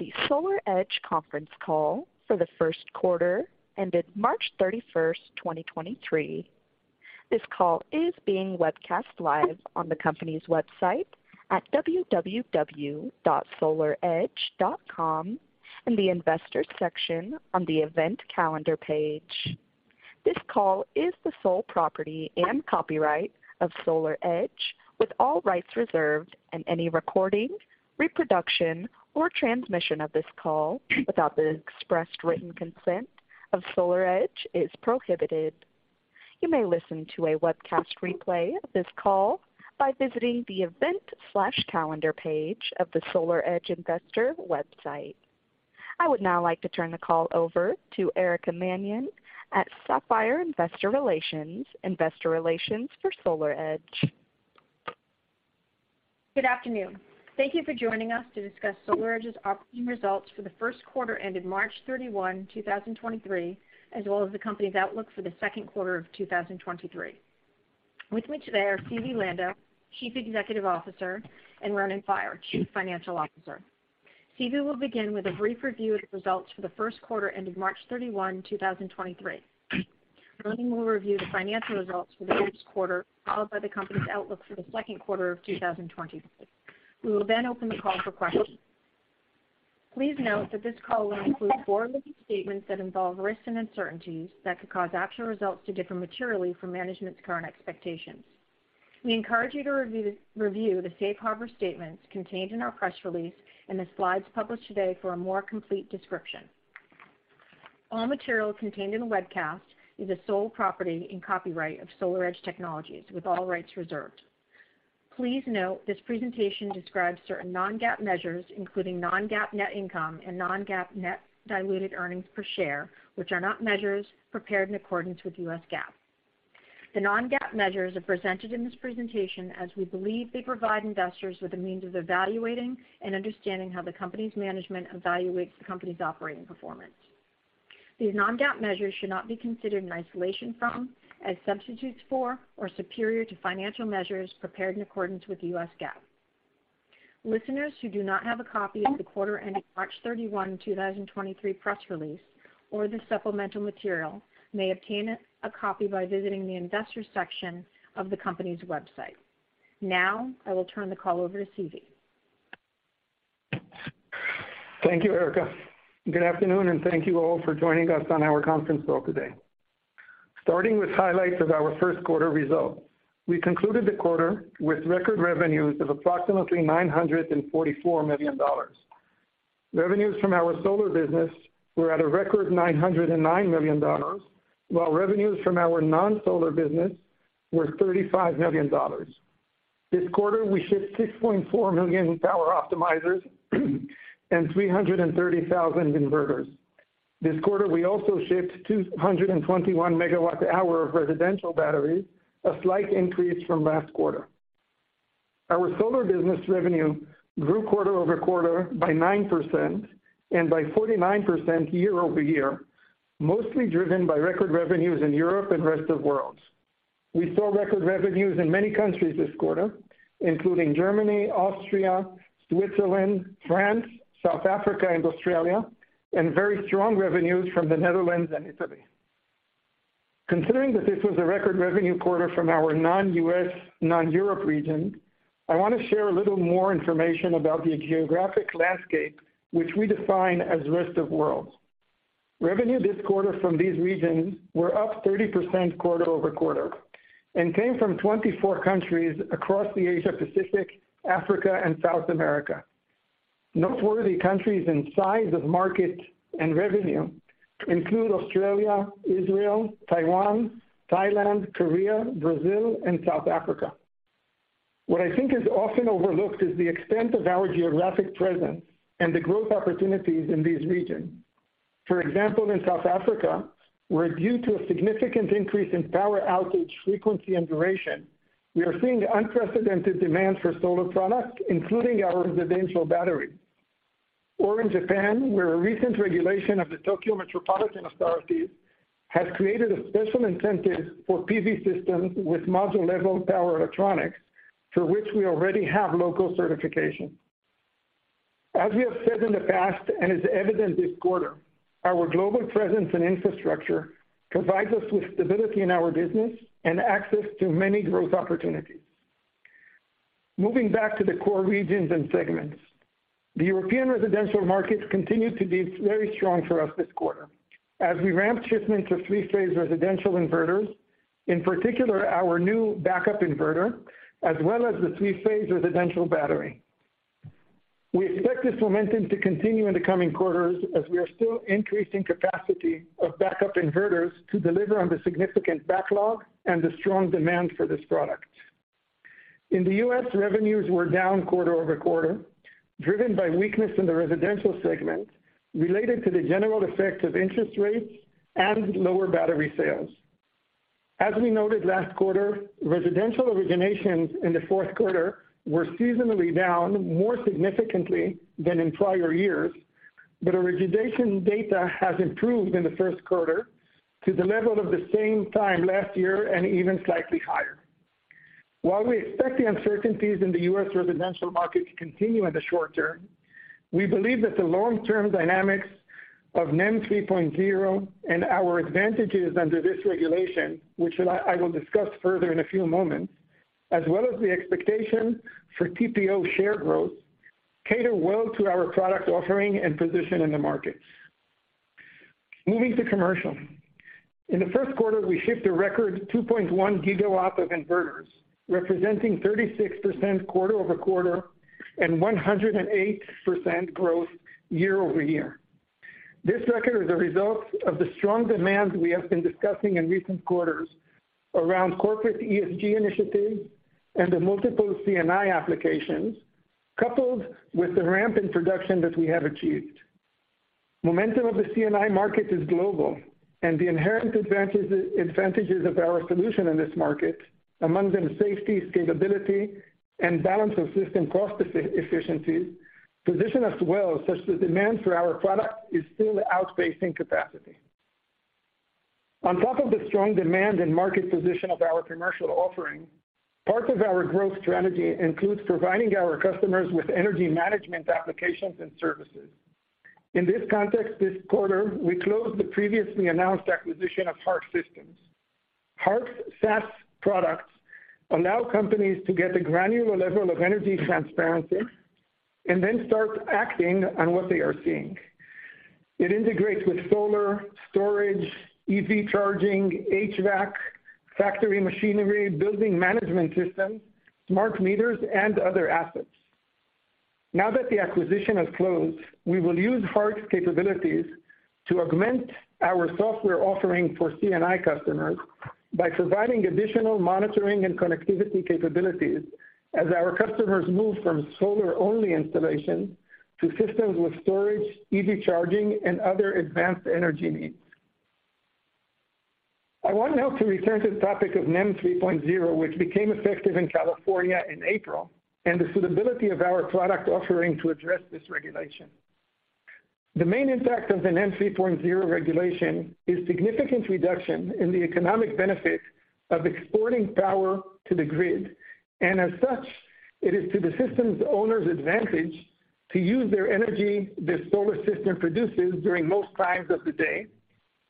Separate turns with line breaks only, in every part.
To the SolarEdge conference call for the first quarter ended March 31st, 2023. This call is being webcast live on the company's website at www.solaredge.com in the Investors section on the Event Calendar page. This call is the sole property and copyright of SolarEdge, with all rights reserved and any recording, reproduction or transmission of this call without the expressed written consent of SolarEdge is prohibited. You may listen to a webcast replay of this call by visiting the Event/Calendar page of the SolarEdge investor website. I would now like to turn the call over to Erica Mannion at Sapphire Investor Relations, investor relations for SolarEdge.
Good afternoon. Thank you for joining us to discuss SolarEdge's operating results for the first quarter ended March 31, 2023, as well as the company's outlook for the second quarter of 2023. With me today are Zvi Lando, Chief Executive Officer, and Ronen Faier, Chief Financial Officer. Zvi will begin with a brief review of the results for the first quarter ending March 31, 2023. Ronen will review the financial results for the quarter, followed by the company's outlook for the second quarter of 2023. We will then open the call for questions. Please note that this call will include forward-looking statements that involve risks and uncertainties that could cause actual results to differ materially from management's current expectations. We encourage you to review the safe harbor statements contained in our press release and the slides published today for a more complete description. All material contained in the webcast is the sole property and copyright of SolarEdge Technologies with all rights reserved. Please note this presentation describes certain non-GAAP measures, including non-GAAP net income and non-GAAP net diluted earnings per share, which are not measures prepared in accordance with U.S. GAAP. The non-GAAP measures are presented in this presentation as we believe they provide investors with a means of evaluating and understanding how the company's management evaluates the company's operating performance. These non-GAAP measures should not be considered in isolation from, as substitutes for or superior to financial measures prepared in accordance with U.S. GAAP. Listeners who do not have a copy of the quarter ending March 31, 2023 press release or the supplemental material may obtain it, a copy by visiting the Investors section of the company's website. I will turn the call over to Zvi.
Thank you, Erica. Good afternoon, thank you all for joining us on our conference call today. Starting with highlights of our first quarter results. We concluded the quarter with record revenues of approximately $944 million. Revenues from our solar business were at a record $909 million, while revenues from our non-solar business were $35 million. This quarter, we shipped 6.4 million power optimizers and 330,000 inverters. This quarter, we also shipped 221 MWh of residential batteries, a slight increase from last quarter. Our solar business revenue grew quarter-over-quarter by 9% and by 49% year-over-year, mostly driven by record revenues in Europe and rest of world. We saw record revenues in many countries this quarter, including Germany, Austria, Switzerland, France, South Africa and Australia, and very strong revenues from the Netherlands and Italy. Considering that this was a record revenue quarter from our non-U.S., non-Europe region, I want to share a little more information about the geographic landscape which we define as rest of world. Revenue this quarter from these regions were up 30% quarter-over-quarter and came from 24 countries across the Asia Pacific, Africa and South America. Noteworthy countries in size of market and revenue include Australia, Israel, Taiwan, Thailand, Korea, Brazil and South Africa. What I think is often overlooked is the extent of our geographic presence and the growth opportunities in these regions. For example, in South Africa, where due to a significant increase in power outage frequency and duration, we are seeing unprecedented demand for solar products, including our residential battery. In Japan, where a recent regulation of the Tokyo Metropolitan Government has created a special incentive for PV systems with module-level power electronics, for which we already have local certification. As we have said in the past and is evident this quarter, our global presence and infrastructure provides us with stability in our business and access to many growth opportunities. Moving back to the core regions and segments, the European residential markets continued to be very strong for us this quarter as we ramped shipments of three-phase residential inverters, in particular our new backup inverter, as well as the three-phase residential battery. We expect this momentum to continue in the coming quarters as we are still increasing capacity of backup inverters to deliver on the significant backlog and the strong demand for this product. In the U.S., revenues were down quarter-over-quarter, driven by weakness in the residential segment related to the general effect of interest rates and lower battery sales. As we noted last quarter, residential originations in the fourth quarter were seasonally down more significantly than in prior years. Origination data has improved in the first quarter to the level of the same time last year and even slightly higher. While we expect the uncertainties in the U.S. residential market to continue in the short term, we believe that the long-term dynamics of NEM 3.0 and our advantages under this regulation, which I will discuss further in a few moments, as well as the expectation for TPO share growth, cater well to our product offering and position in the markets. Moving to commercial. In the first quarter, we shipped a record 2.1 GW of inverters, representing 36% quarter-over-quarter and 108% growth year-over-year. This record is a result of the strong demand we have been discussing in recent quarters around corporate ESG initiatives and the multiple C&I applications, coupled with the ramp in production that we have achieved. Momentum of the C&I market is global, the inherent advantages of our solution in this market, among them safety, scalability, and balance of system cost efficiency, position us well such that demand for our product is still outpacing capacity. On top of the strong demand and market position of our commercial offering, part of our growth strategy includes providing our customers with energy management applications and services. In this context, this quarter, we closed the previously announced acquisition of Hark Systems. Hark's SaaS products allow companies to get a granular level of energy transparency and then start acting on what they are seeing. It integrates with solar, storage, EV charging, HVAC, factory machinery, building management systems, smart meters, and other assets. Now that the acquisition has closed, we will use Hark's capabilities to augment our software offering for C&I customers by providing additional monitoring and connectivity capabilities as our customers move from solar-only installation to systems with storage, EV charging, and other advanced energy needs. I want now to return to the topic of NEM 3.0, which became effective in California in April, and the suitability of our product offering to address this regulation. The main impact of the NEM 3.0 regulation is significant reduction in the economic benefit of exporting power to the grid, and as such, it is to the system's owner's advantage to use their energy the solar system produces during most times of the day,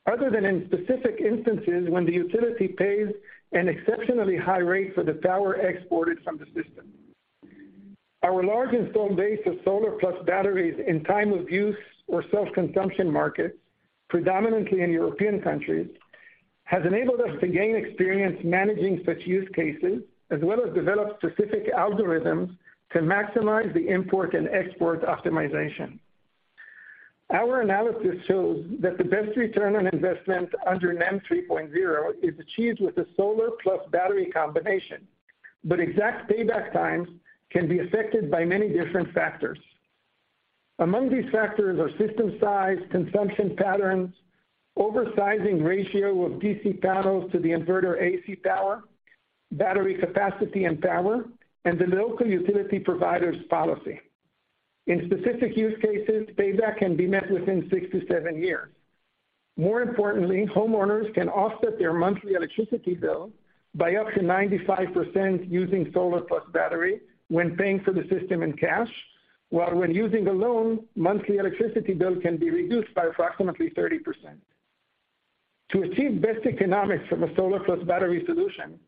other than in specific instances when the utility pays an exceptionally high rate for the power exported from the system. Our large installed base of solar plus batteries in time of use or self-consumption markets, predominantly in European countries, has enabled us to gain experience managing such use cases, as well as develop specific algorithms to maximize the import and export optimization. Our analysis shows that the best return on investment under NEM 3.0 is achieved with a solar plus battery combination, but exact payback times can be affected by many different factors. Among these factors are system size, consumption patterns, oversizing ratio of DC panels to the inverter AC power, battery capacity and power, and the local utility provider's policy. In specific use cases, payback can be met within six to seven years. More importantly, homeowners can offset their monthly electricity bill by up to 95% using solar plus battery when paying for the system in cash, while when using a loan, monthly electricity bill can be reduced by approximately 30%. To achieve best economics from a solar plus battery solution,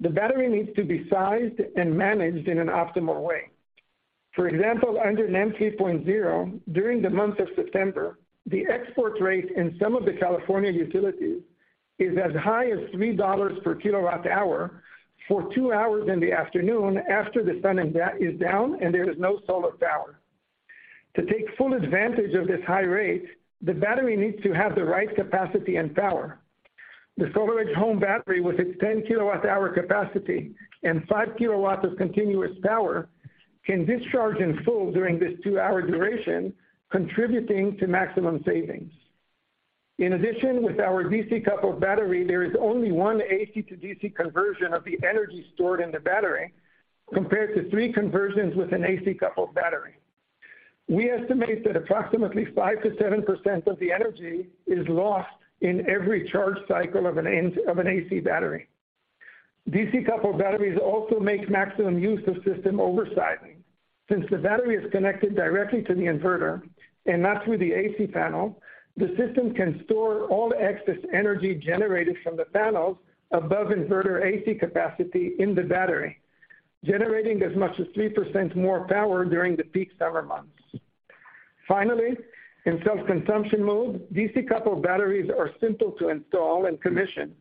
the battery needs to be sized and managed in an optimal way. For example, under NEM 3.0, during the month of September, the export rate in some of the California utilities is as high as $3 per kWh for two hours in the afternoon after the sun is down and there is no solar power. To take full advantage of this high rate, the battery needs to have the right capacity and power. The SolarEdge Home Battery, with its 10 kWh capacity and 5 kW of continuous power, can discharge in full during this two-hour duration, contributing to maximum savings. In addition, with our DC coupled battery, there is only one AC to DC conversion of the energy stored in the battery, compared to three conversions with an AC coupled battery. We estimate that approximately 5%-7% of the energy is lost in every charge cycle of an AC battery. DC coupled batteries also make maximum use of system oversizing. Since the battery is connected directly to the inverter and not through the AC panel, the system can store all excess energy generated from the panels above inverter AC capacity in the battery, generating as much as 3% more power during the peak summer months. Finally, in self-consumption mode, DC coupled batteries are simple to install and commission,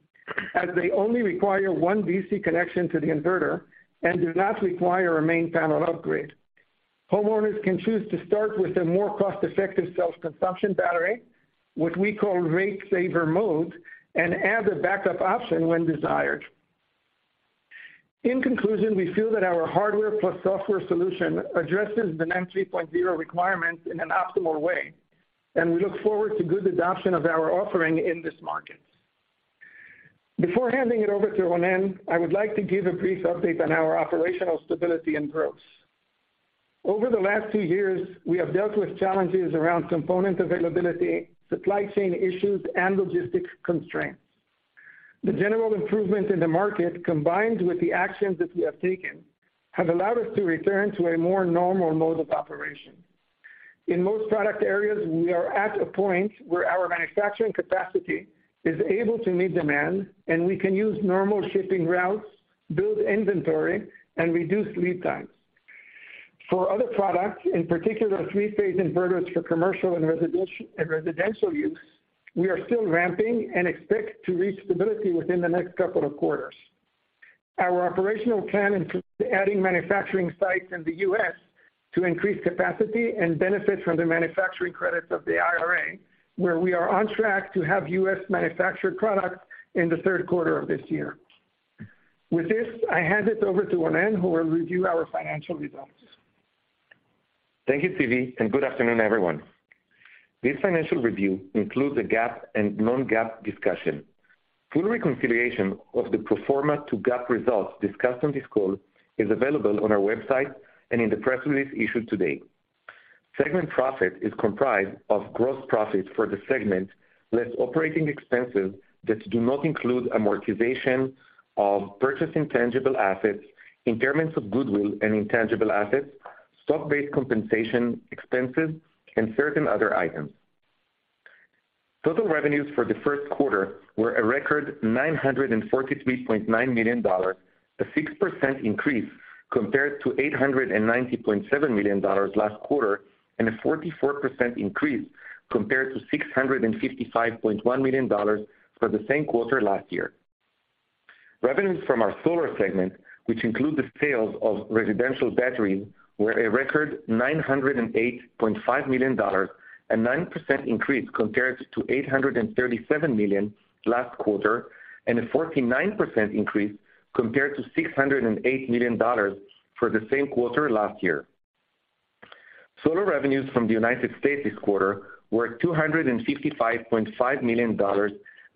as they only require one DC connection to the inverter and do not require a main panel upgrade. Homeowners can choose to start with a more cost-effective self-consumption battery, what we call rate saver mode, and add a backup option when desired. In conclusion, we feel that our hardware plus software solution addresses the NEM 3.0 requirements in an optimal way, and we look forward to good adoption of our offering in this market. Before handing it over to Ronen, I would like to give a brief update on our operational stability and growth. Over the last two years, we have dealt with challenges around component availability, supply chain issues, and logistics constraints. The general improvement in the market, combined with the actions that we have taken, have allowed us to return to a more normal mode of operation. In most product areas, we are at a point where our manufacturing capacity is able to meet demand, and we can use normal shipping routes, build inventory, and reduce lead times. For other products, in particular three-phase inverters for commercial and residential use, we are still ramping and expect to reach stability within the next couple of quarters. Our operational plan includes adding manufacturing sites in the U.S. to increase capacity and benefit from the manufacturing credits of the IRA, where we are on track to have U.S. manufactured products in the third quarter of this year. With this, I hand it over to Ronen, who will review our financial results.
Thank you, Zvi, and good afternoon, everyone. This financial review includes a GAAP and non-GAAP discussion. Full reconciliation of the pro forma to GAAP results discussed on this call is available on our website and in the press release issued today. Segment profit is comprised of gross profit for the segment, less operating expenses that do not include amortization of purchasing tangible assets, impairments of goodwill and intangible assets, stock-based compensation expenses, and certain other items. Total revenues for the first quarter were a record $943.9 million, a 6% increase compared to $890.7 million last quarter, and a 44% increase compared to $655.1 million for the same quarter last year. Revenues from our solar segment, which include the sales of residential batteries, were a record $908.5 million, a 9% increase compared to $837 million last quarter, and a 49% increase compared to $608 million for the same quarter last year. Solar revenues from the United States this quarter were $255.5 million,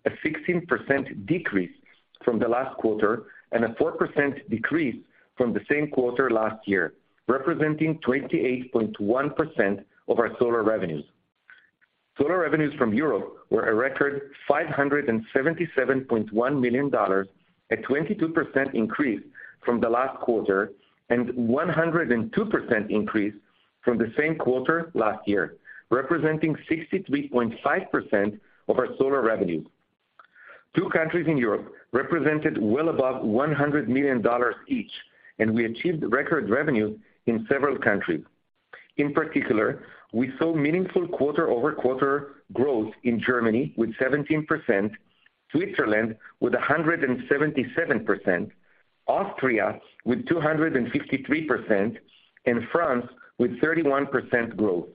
a 16% decrease from the last quarter and a 4% decrease from the same quarter last year, representing 28.1% of our solar revenues. Solar revenues from Europe were a record $577.1 million, a 22% increase from the last quarter and 102% increase from the same quarter last year, representing 63.5% of our solar revenues. Two countries in Europe represented well above $100 million each, and we achieved record revenue in several countries. In particular, we saw meaningful quarter-over-quarter growth in Germany with 17%, Switzerland with 177%, Austria with 253%, and France with 31% growth.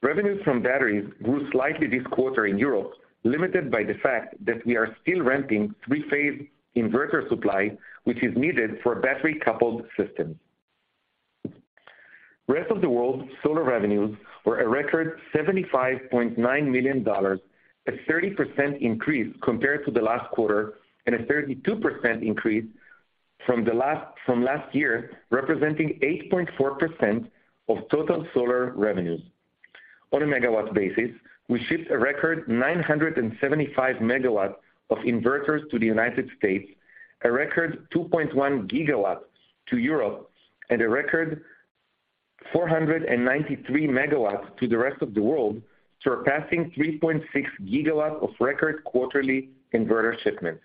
Revenues from batteries grew slightly this quarter in Europe, limited by the fact that we are still ramping three-phase inverter supply, which is needed for battery-coupled systems. Rest of the world solar revenues were a record $75.9 million, a 30% increase compared to the last quarter and a 32% increase from last year, representing 8.4% of total solar revenues. On a megawatt basis, we shipped a record 975 MW of inverters to the United States, a record 2.1 GW to Europe, and a record 493 MW to the rest of the world, surpassing 3.6 GW of record quarterly inverter shipments.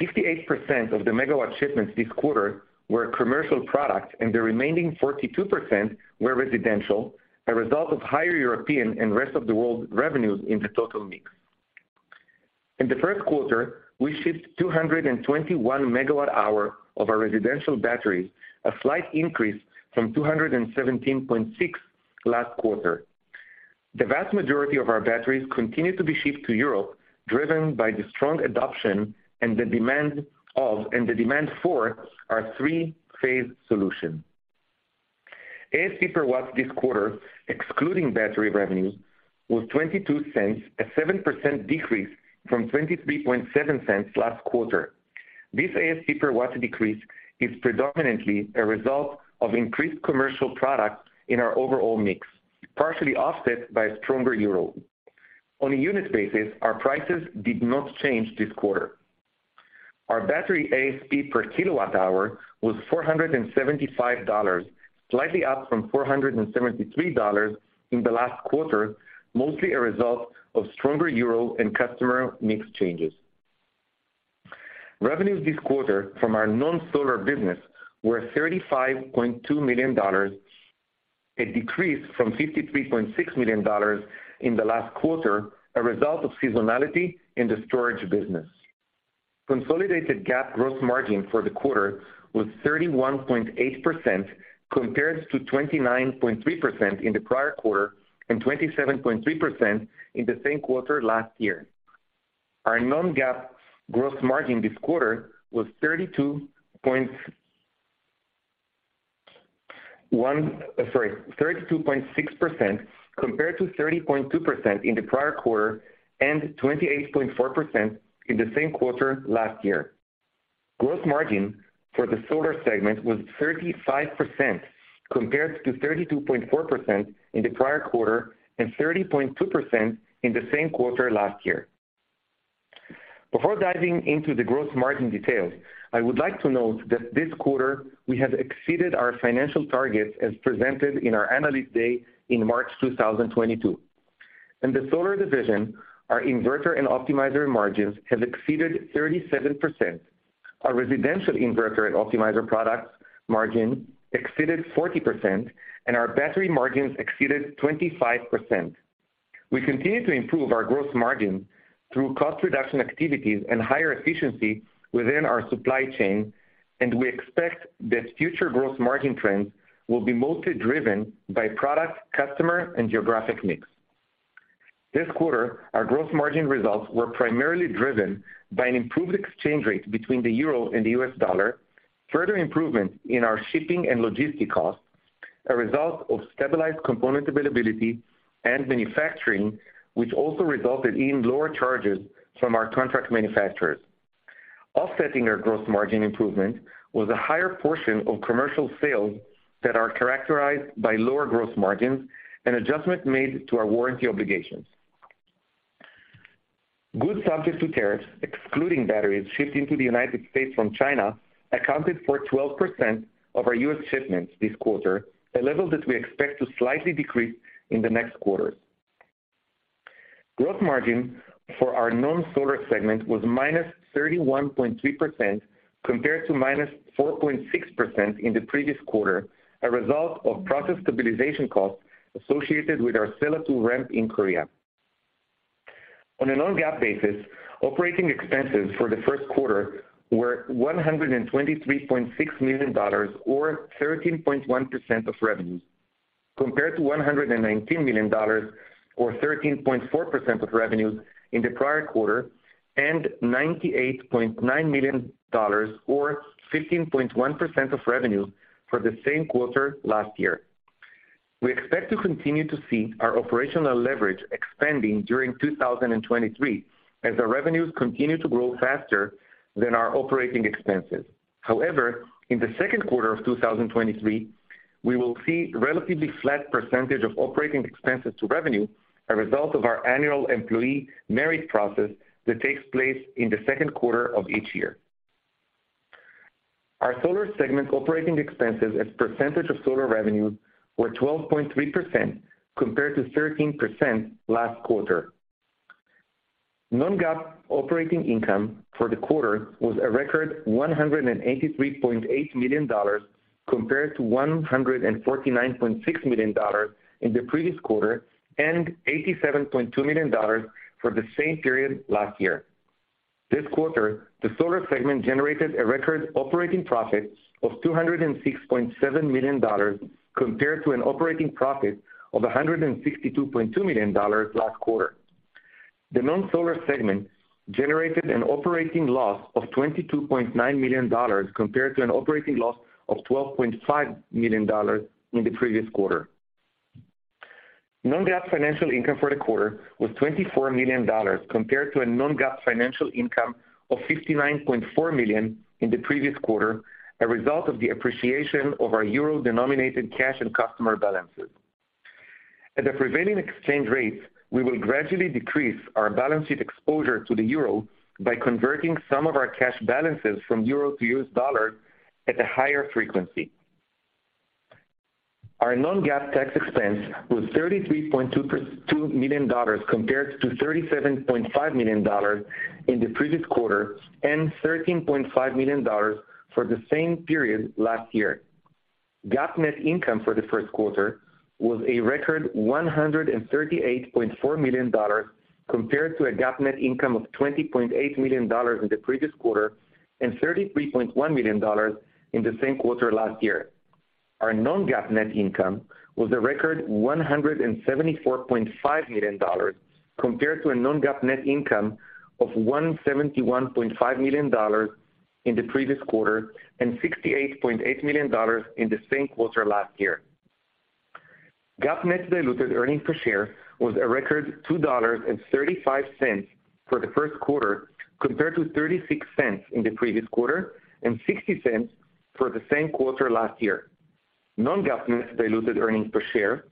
68% of the megawatt shipments this quarter were commercial products, and the remaining 42% were residential, a result of higher European and rest of the world revenues in the total mix. In the first quarter, we shipped 221 MWh of our residential batteries, a slight increase from 217.6 MWh last quarter. The vast majority of our batteries continued to be shipped to Europe, driven by the strong adoption and the demand for our three-phase solution. ASP per watt this quarter, excluding battery revenue, was $0.22, a 7% decrease from $0.237 last quarter. This ASP per watt decrease is predominantly a result of increased commercial products in our overall mix, partially offset by a stronger euro. On a unit basis, our prices did not change this quarter. Our battery ASP per kilowatt hour was $475, slightly up from $473 in the last quarter, mostly a result of stronger euro and customer mix changes. Revenues this quarter from our non-solar business were $35.2 million, a decrease from $53.6 million in the last quarter, a result of seasonality in the storage business. Consolidated GAAP gross margin for the quarter was 31.8%, compared to 29.3% in the prior quarter and 27.3% in the same quarter last year. Our non-GAAP gross margin this quarter was 32.6%, compared to 30.2% in the prior quarter and 28.4% in the same quarter last year. Gross margin for the solar segment was 35% compared to 32.4% in the prior quarter and 30.2% in the same quarter last year. Before diving into the gross margin details, I would like to note that this quarter we have exceeded our financial targets as presented in our Analyst Day in March 2022. In the solar division, our inverter and optimizer margins have exceeded 37%. Our residential inverter and optimizer products margin exceeded 40%, and our battery margins exceeded 25%. We continue to improve our gross margin through cost reduction activities and higher efficiency within our supply chain, and we expect that future gross margin trends will be mostly driven by product, customer, and geographic mix. This quarter, our gross margin results were primarily driven by an improved exchange rate between the euro and the U.S. dollar, further improvement in our shipping and logistic costs, a result of stabilized component availability and manufacturing, which also resulted in lower charges from our contract manufacturers. Offsetting our gross margin improvement was a higher portion of commercial sales that are characterized by lower gross margins and adjustments made to our warranty obligations. Goods subject to tariffs, excluding batteries shipped into the United States from China, accounted for 12% of our U.S. shipments this quarter, a level that we expect to slightly decrease in the next quarter. Gross margin for our non-solar segment was -31.3% compared to -4.6% in the previous quarter, a result of process stabilization costs associated with our Sella 2 ramp in Korea. On a non-GAAP basis, operating expenses for the first quarter were $123.6 million or 13.1% of revenues, compared to $119 million or 13.4% of revenues in the prior quarter, and $98.9 million or 15.1% of revenue for the same quarter last year. We expect to continue to see our operational leverage expanding during 2023 as our revenues continue to grow faster than our operating expenses. In the second quarter of 2023, we will see relatively flat % of operating expenses to revenue, a result of our annual employee merit process that takes place in the second quarter of each year. Our solar segment operating expenses as % of solar revenue were 12.3% compared to 13% last quarter. Non-GAAP operating income for the quarter was a record $183.8 million compared to $149.6 million in the previous quarter, and $87.2 million for the same period last year. This quarter, the solar segment generated a record operating profit of $206.7 million compared to an operating profit of $162.2 million last quarter. The non-solar segment generated an operating loss of $22.9 million compared to an operating loss of $12.5 million in the previous quarter. Non-GAAP financial income for the quarter was $24 million compared to a non-GAAP financial income of $59.4 million in the previous quarter, a result of the appreciation of our euro-denominated cash and customer balances. At the prevailing exchange rates, we will gradually decrease our balance sheet exposure to the euro by converting some of our cash balances from euro to U.S. dollar at a higher frequency. Our non-GAAP tax expense was $33.2 million compared to $37.5 million in the previous quarter and $13.5 million for the same period last year. GAAP net income for the first quarter was a record $138.4 million compared to a GAAP net income of $20.8 million in the previous quarter and $33.1 million in the same quarter last year. Our non-GAAP net income was a record $174.5 million compared to a non-GAAP net income of $171.5 million in the previous quarter and $68.8 million in the same quarter last year. GAAP net diluted earnings per share was a record $2.35 for the first quarter, compared to $0.36 in the previous quarter and $0.60 for the same quarter last year. non-GAAP net diluted earnings per share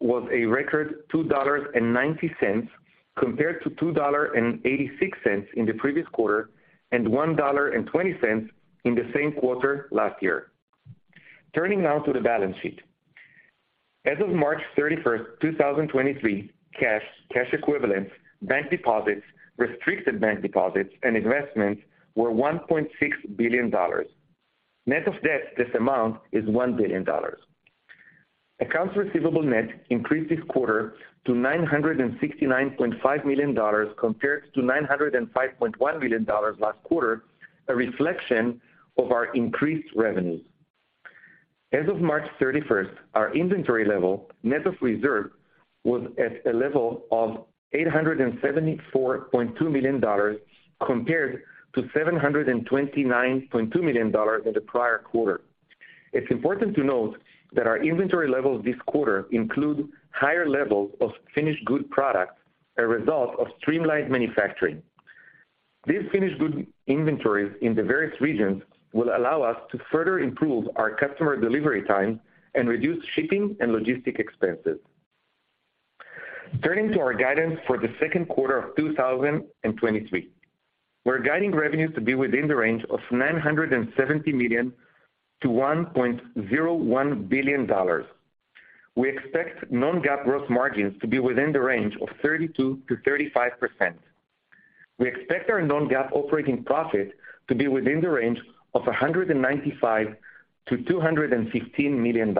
was a record $2.90 compared to $2.86 in the previous quarter and $1.20 in the same quarter last year. Turning now to the balance sheet. As of March 31st, 2023, cash equivalents, bank deposits, restricted bank deposits, and investments were $1.6 billion. Net of debt, this amount is $1 billion. Accounts receivable net increased this quarter to $969.5 million compared to $905.1 million last quarter, a reflection of our increased revenues. As of March 31st, our inventory level, net of reserve, was at a level of $874.2 million compared to $729.2 million in the prior quarter. It's important to note that our inventory levels this quarter include higher levels of finished good products, a result of streamlined manufacturing. These finished good inventories in the various regions will allow us to further improve our customer delivery times and reduce shipping and logistic expenses. Turning to our guidance for the 2Q of 2023. We're guiding revenues to be within the range of $970 million-$1.01 billion. We expect non-GAAP gross margins to be within the range of 32%-35%. We expect our non-GAAP operating profit to be within the range of $195 million-$215 million.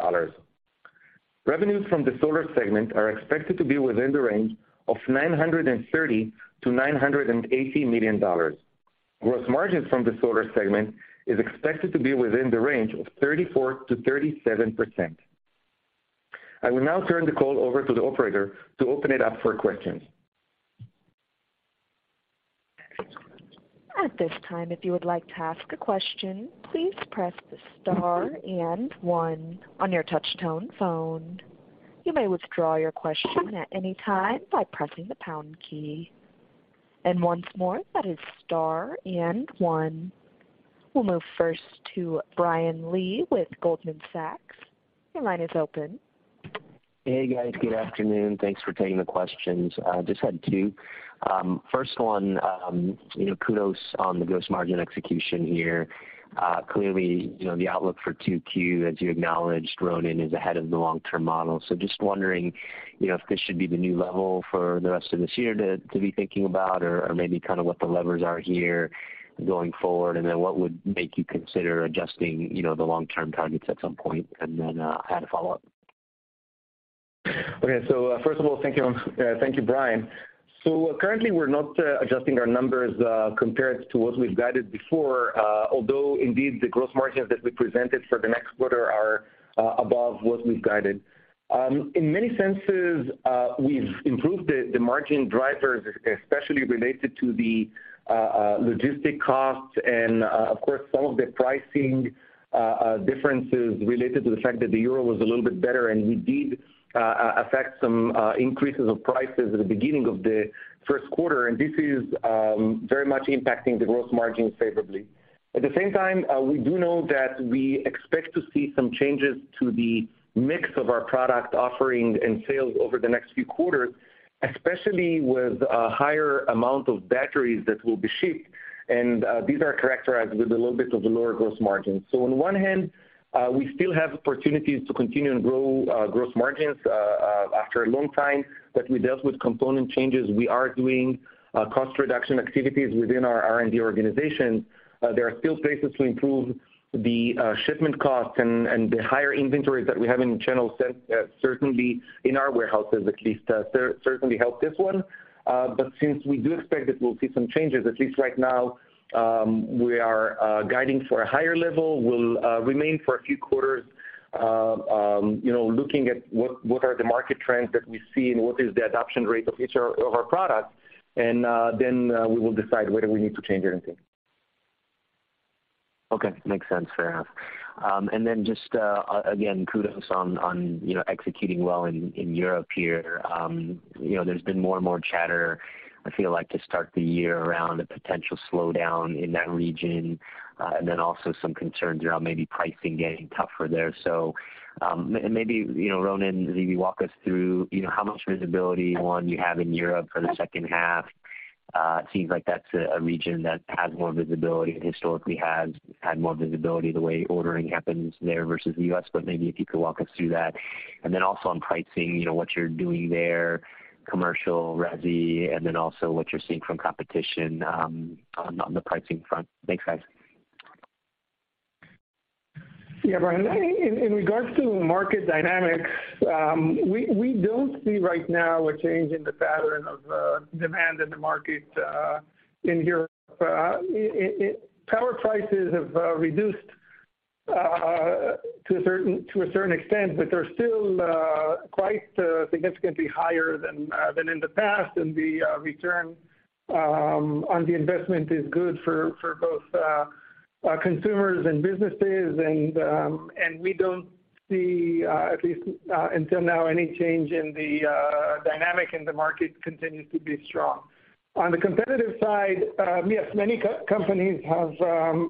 Revenues from the solar segment are expected to be within the range of $930 million-$980 million. Gross margins from the solar segment is expected to be within the range of 34%-37%. I will now turn the call over to the operator to open it up for questions.
At this time, if you would like to ask a question, please press the star and one on your touch tone phone. You may withdraw your question at any time by pressing the pound key. Once more, that is star and one. We'll move first to Brian Lee with Goldman Sachs. Your line is open.
Hey, guys. Good afternoon. Thanks for taking the questions. I just had two. First one, you know, kudos on the gross margin execution here. Clearly, you know, the outlook for 2Q, as you acknowledged, Ronen, is ahead of the long-term model. Just wondering, you know, if this should be the new level for the rest of this year to be thinking about or maybe kind of what the levers are here going forward, and then what would make you consider adjusting, you know, the long-term targets at some point. I had a follow-up.
First of all, thank you. Thank you, Brian. Currently, we're not adjusting our numbers compared to what we've guided before, although indeed, the gross margins that we presented for the next quarter are above what we've guided. In many senses, we've improved the margin drivers, especially related to the logistic costs and of course, some of the pricing differences related to the fact that the euro was a little bit better, and we did affect some increases of prices at the beginning of the 1st quarter. This is very much impacting the gross margin favorably. At the same time, we do know that we expect to see some changes to the mix of our product offering and sales over the next few quarters, especially with a higher amount of batteries that will be shipped. These are characterized with a little bit of a lower gross margin. On one hand, we still have opportunities to continue and grow gross margins after a long time that we dealt with component changes. We are doing cost reduction activities within our R&D organization. There are still spaces to improve the shipment costs and the higher inventories that we have in the channel set, certainly in our warehouses at least, certainly help this one. Since we do expect that we'll see some changes, at least right now, we are guiding for a higher level. We'll remain for a few quarters, you know, looking at what are the market trends that we see and what is the adoption rate of each of our products, then we will decide whether we need to change anything.
Okay. Makes sense. Fair enough. Then just again, kudos on, you know, executing well in Europe here. You know, there's been more and more chatter, I feel like, to start the year around a potential slowdown in that region, and then also some concerns around maybe pricing getting tougher there. Maybe, you know, Ronen, maybe walk us through, you know, how much visibility, one, you have in Europe for the second half. It seems like that's a region that has more visibility and historically has had more visibility the way ordering happens there versus the U.S., but maybe if you could walk us through that. Then also on pricing, you know, what you're doing there, commercial, resi, and then also what you're seeing from competition on the pricing front. Thanks, guys.
Yeah, Brian. In regards to market dynamics, we don't see right now a change in the pattern of demand in the market in Europe. It power prices have reduced to a certain extent, but they're still quite significantly higher than in the past. The return on the investment is good for both consumers and businesses. We don't see at least until now, any change in the dynamic, and the market continues to be strong. On the competitive side, yes, many companies have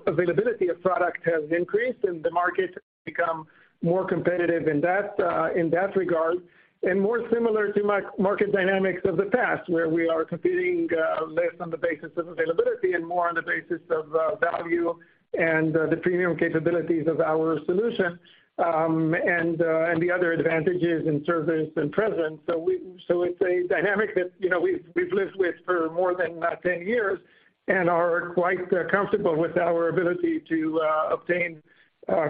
availability of product has increased, and the market has become more competitive in that in that regard, and more similar to market dynamics of the past, where we are competing less on the basis of availability and more on the basis of value and the premium capabilities of our solution and the other advantages in service and presence. It's a dynamic that, you know, we've lived with for more than 10 years and are quite comfortable with our ability to obtain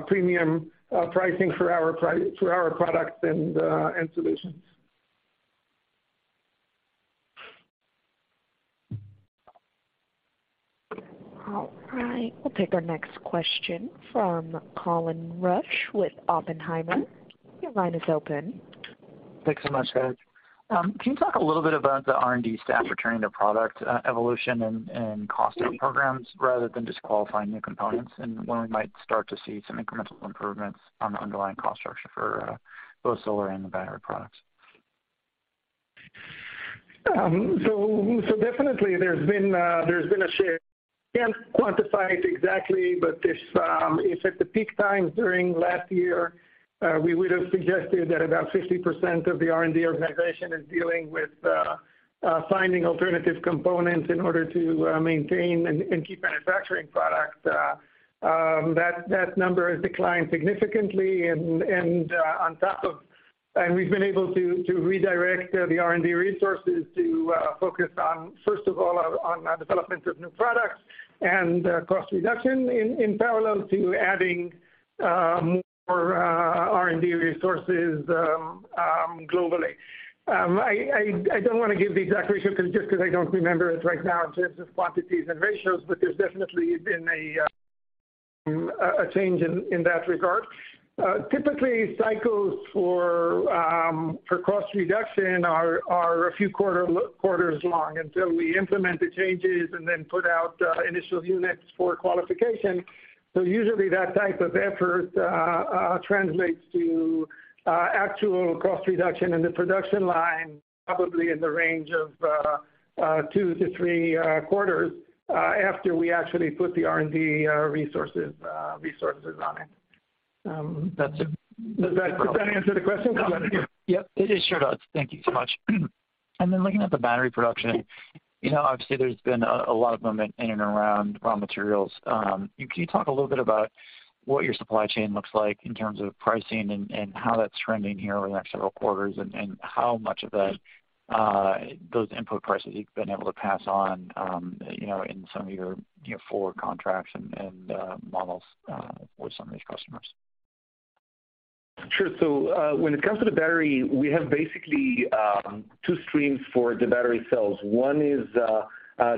premium pricing for our products and solutions.
All right. We'll take our next question from Colin Rusch with Oppenheimer. Your line is open.
Thanks so much, guys. Can you talk a little bit about the R&D staff returning to product evolution and costing programs rather than just qualifying new components and when we might start to see some incremental improvements on the underlying cost structure for both solar and the battery products?
Definitely there's been a shift. Can't quantify it exactly, but this, if at the peak times during last year, we would have suggested that about 50% of the R&D organization is dealing with finding alternative components in order to maintain and keep manufacturing products. That number has declined significantly. We've been able to redirect the R&D resources to focus on, first of all, on development of new products and cost reduction in parallel to adding more R&D resources globally. I don't wanna give the exact ratio just 'cause I don't remember it right now in terms of quantities and ratios, but there's definitely been a change in that regard. Typically cycles for cost reduction are a few quarters long until we implement the changes and then put out initial units for qualification. Usually that type of effort translates to actual cost reduction in the production line probably in the range of two-three quarters after we actually put the R&D resources on it.
Um, that's a-
Does that answer the question?
Yep. It sure does. Thank you so much. Looking at the battery production, you know, obviously there's been a lot of movement in and around raw materials. Can you talk a little bit about what your supply chain looks like in terms of pricing and how that's trending here over the next several quarters, and how much of that those input prices you've been able to pass on, you know, in some of your, you know, forward contracts and models with some of these customers?
Sure. When it comes to the battery, we have basically two streams for the battery cells. One is the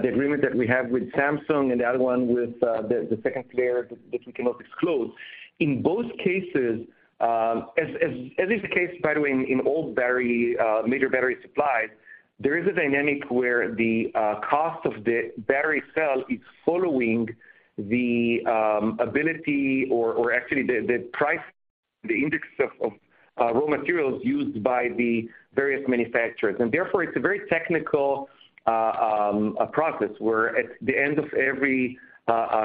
agreement that we have with Samsung and the other one with the second player that we cannot disclose. In both cases, as, as is the case, by the way, in all battery major battery supplies, there is a dynamic where the cost of the battery cell is following the ability or actually the price, the index of raw materials used by the various manufacturers. Therefore it's a very technical process where at the end of every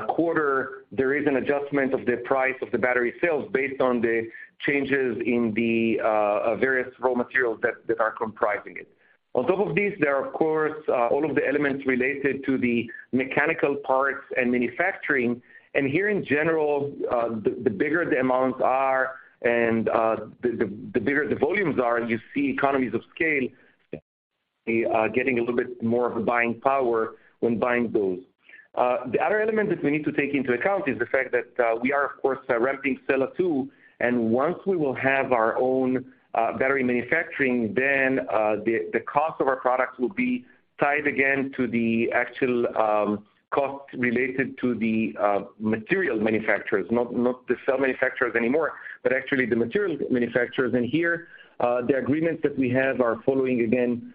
quarter, there is an adjustment of the price of the battery cells based on the changes in the various raw materials that are comprising it. On top of these, there are of course, all of the elements related to the mechanical parts and manufacturing. Here in general, the bigger the amounts are and the bigger the volumes are, you see economies of scale getting a little bit more of a buying power when buying those. The other element that we need to take into account is the fact that we are of course ramping Sella 2, once we will have our own battery manufacturing, the cost of our products will be tied again to the actual cost related to the material manufacturers, not the cell manufacturers anymore, but actually the materials manufacturers. Here, the agreements that we have are following again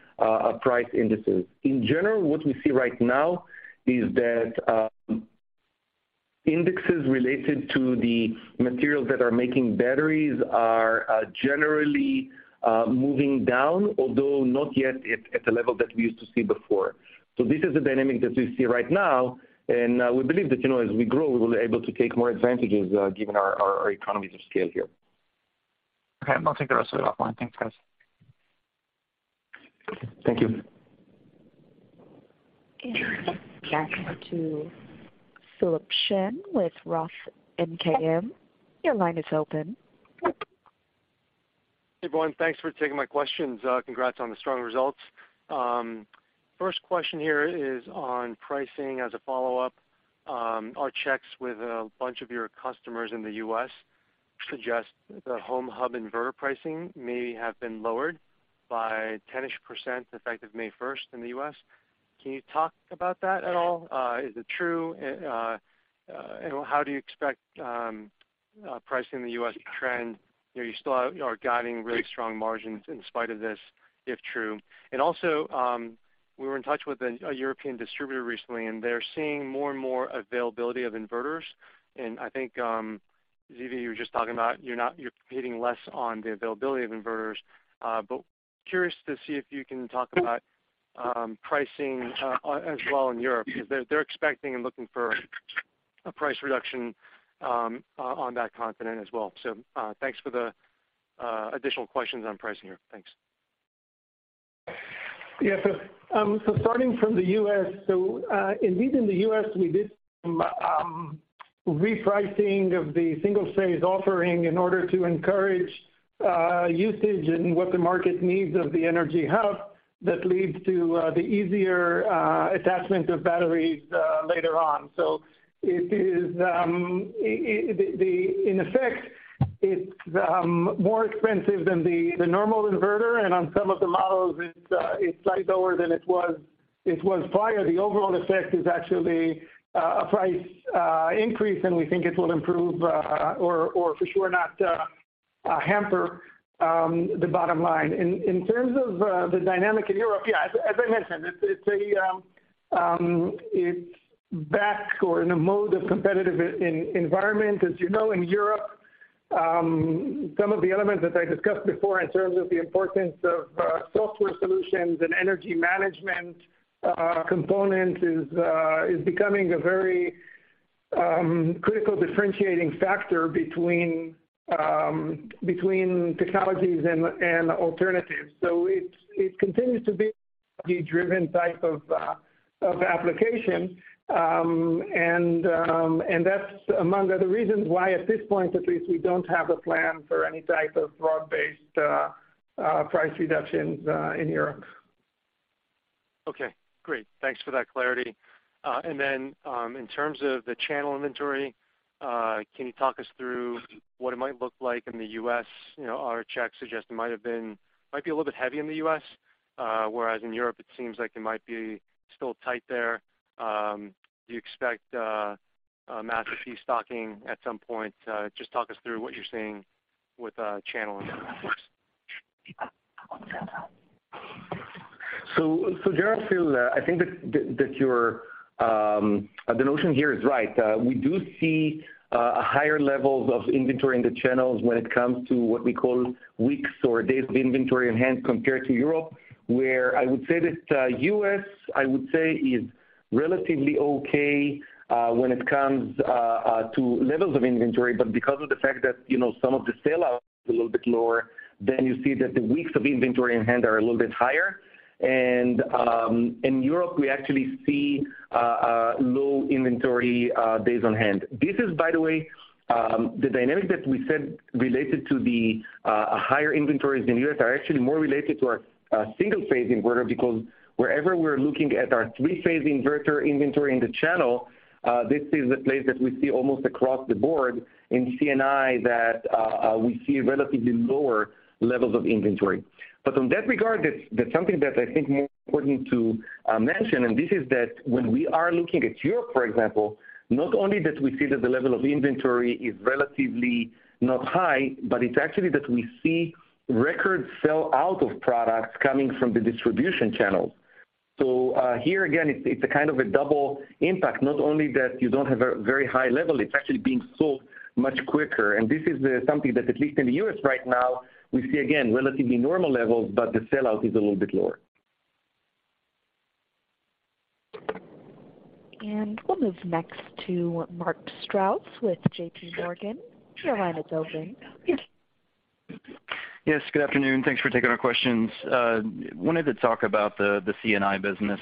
price indices. In general, what we see right now is that, indexes related to the materials that are making batteries are, generally, moving down, although not yet at the level that we used to see before. This is the dynamic that we see right now, and, we believe that, you know, as we grow, we will be able to take more advantages, given our economies of scale here.
Okay. I'm gonna take the rest of it offline. Thanks, guys.
Thank you.
Back to Philip Shen with Roth MKM. Your line is open.
Hey, Ron. Thanks for taking my questions. Congrats on the strong results. First question here is on pricing as a follow-up. Our checks with a bunch of your customers in the U.S. suggest the Home Hub inverter pricing may have been lowered by 10-ish% effective May 1st in the U.S.. Can you talk about that at all? Is it true? How do you expect pricing in the U.S. to trend? You know, you still are guiding really strong margins in spite of this, if true. Also, we were in touch with an, a European distributor recently, and they're seeing more and more availability of inverters. I think, Zvi, you were just talking about you're competing less on the availability of inverters. Curious to see if you can talk about pricing as well in Europe because they're expecting and looking for a price reduction on that continent as well. Thanks for the additional questions on pricing here. Thanks.
Starting from the U.S. Indeed in the U.S., we did some repricing of the single phase offering in order to encourage usage and what the market needs of the Energy Hub that leads to the easier attachment of batteries later on. It is, it, the, in effect, it's more expensive than the normal inverter, and on some of the models it's slightly lower than it was prior, the overall effect is actually a price increase, and we think it will improve, or for sure not hamper the bottom line. In terms of the dynamic in Europe, yeah, as I mentioned, it's a, it's back or in a mode of competitive environment. As you know, in Europe, some of the elements that I discussed before in terms of the importance of software solutions and energy management component is becoming a very critical differentiating factor between technologies and alternatives. It continues to be a driven type of application. And that's among other reasons why at this point at least we don't have a plan for any type of broad-based price reductions in Europe.
Okay, great. Thanks for that clarity. Then, in terms of the channel inventory, can you talk us through what it might look like in the U.S.? You know, our checks suggest it might be a little bit heavy in the US, whereas in Europe, it seems like it might be still tight there. Do you expect a massive restocking at some point? Just talk us through what you're seeing with channel inventories.
Gerald, still, I think that your, the notion here is right. We do see higher levels of inventory in the channels when it comes to what we call weeks or days of inventory on hand compared to Europe, where I would say that U.S., I would say, is relatively okay when it comes to levels of inventory. Because of the fact that, you know, some of the sell-out is a little bit lower, then you see that the weeks of inventory on hand are a little bit higher. In Europe, we actually see low inventory days on hand. This is, by the way, the dynamic that we said related to the higher inventories in U.S. are actually more related to our single-phase inverter because wherever we're looking at our three-phase inverter inventory in the channel, this is the place that we see almost across the board in C&I that we see relatively lower levels of inventory. That's something that I think more important to mention, and this is that when we are looking at Europe, for example, not only that we see that the level of inventory is relatively not high, but it's actually that we see record sell-out of products coming from the distribution channels. Here again, it's a kind of a double impact. Not only that you don't have a very high level, it's actually being sold much quicker. This is something that at least in the U.S. right now, we see again, relatively normal levels, but the sell-out is a little bit lower.
We'll move next to Mark Strouse with JPMorgan. Your line is open.
Yes, good afternoon. Thanks for taking our questions. Wanted to talk about the C&I business.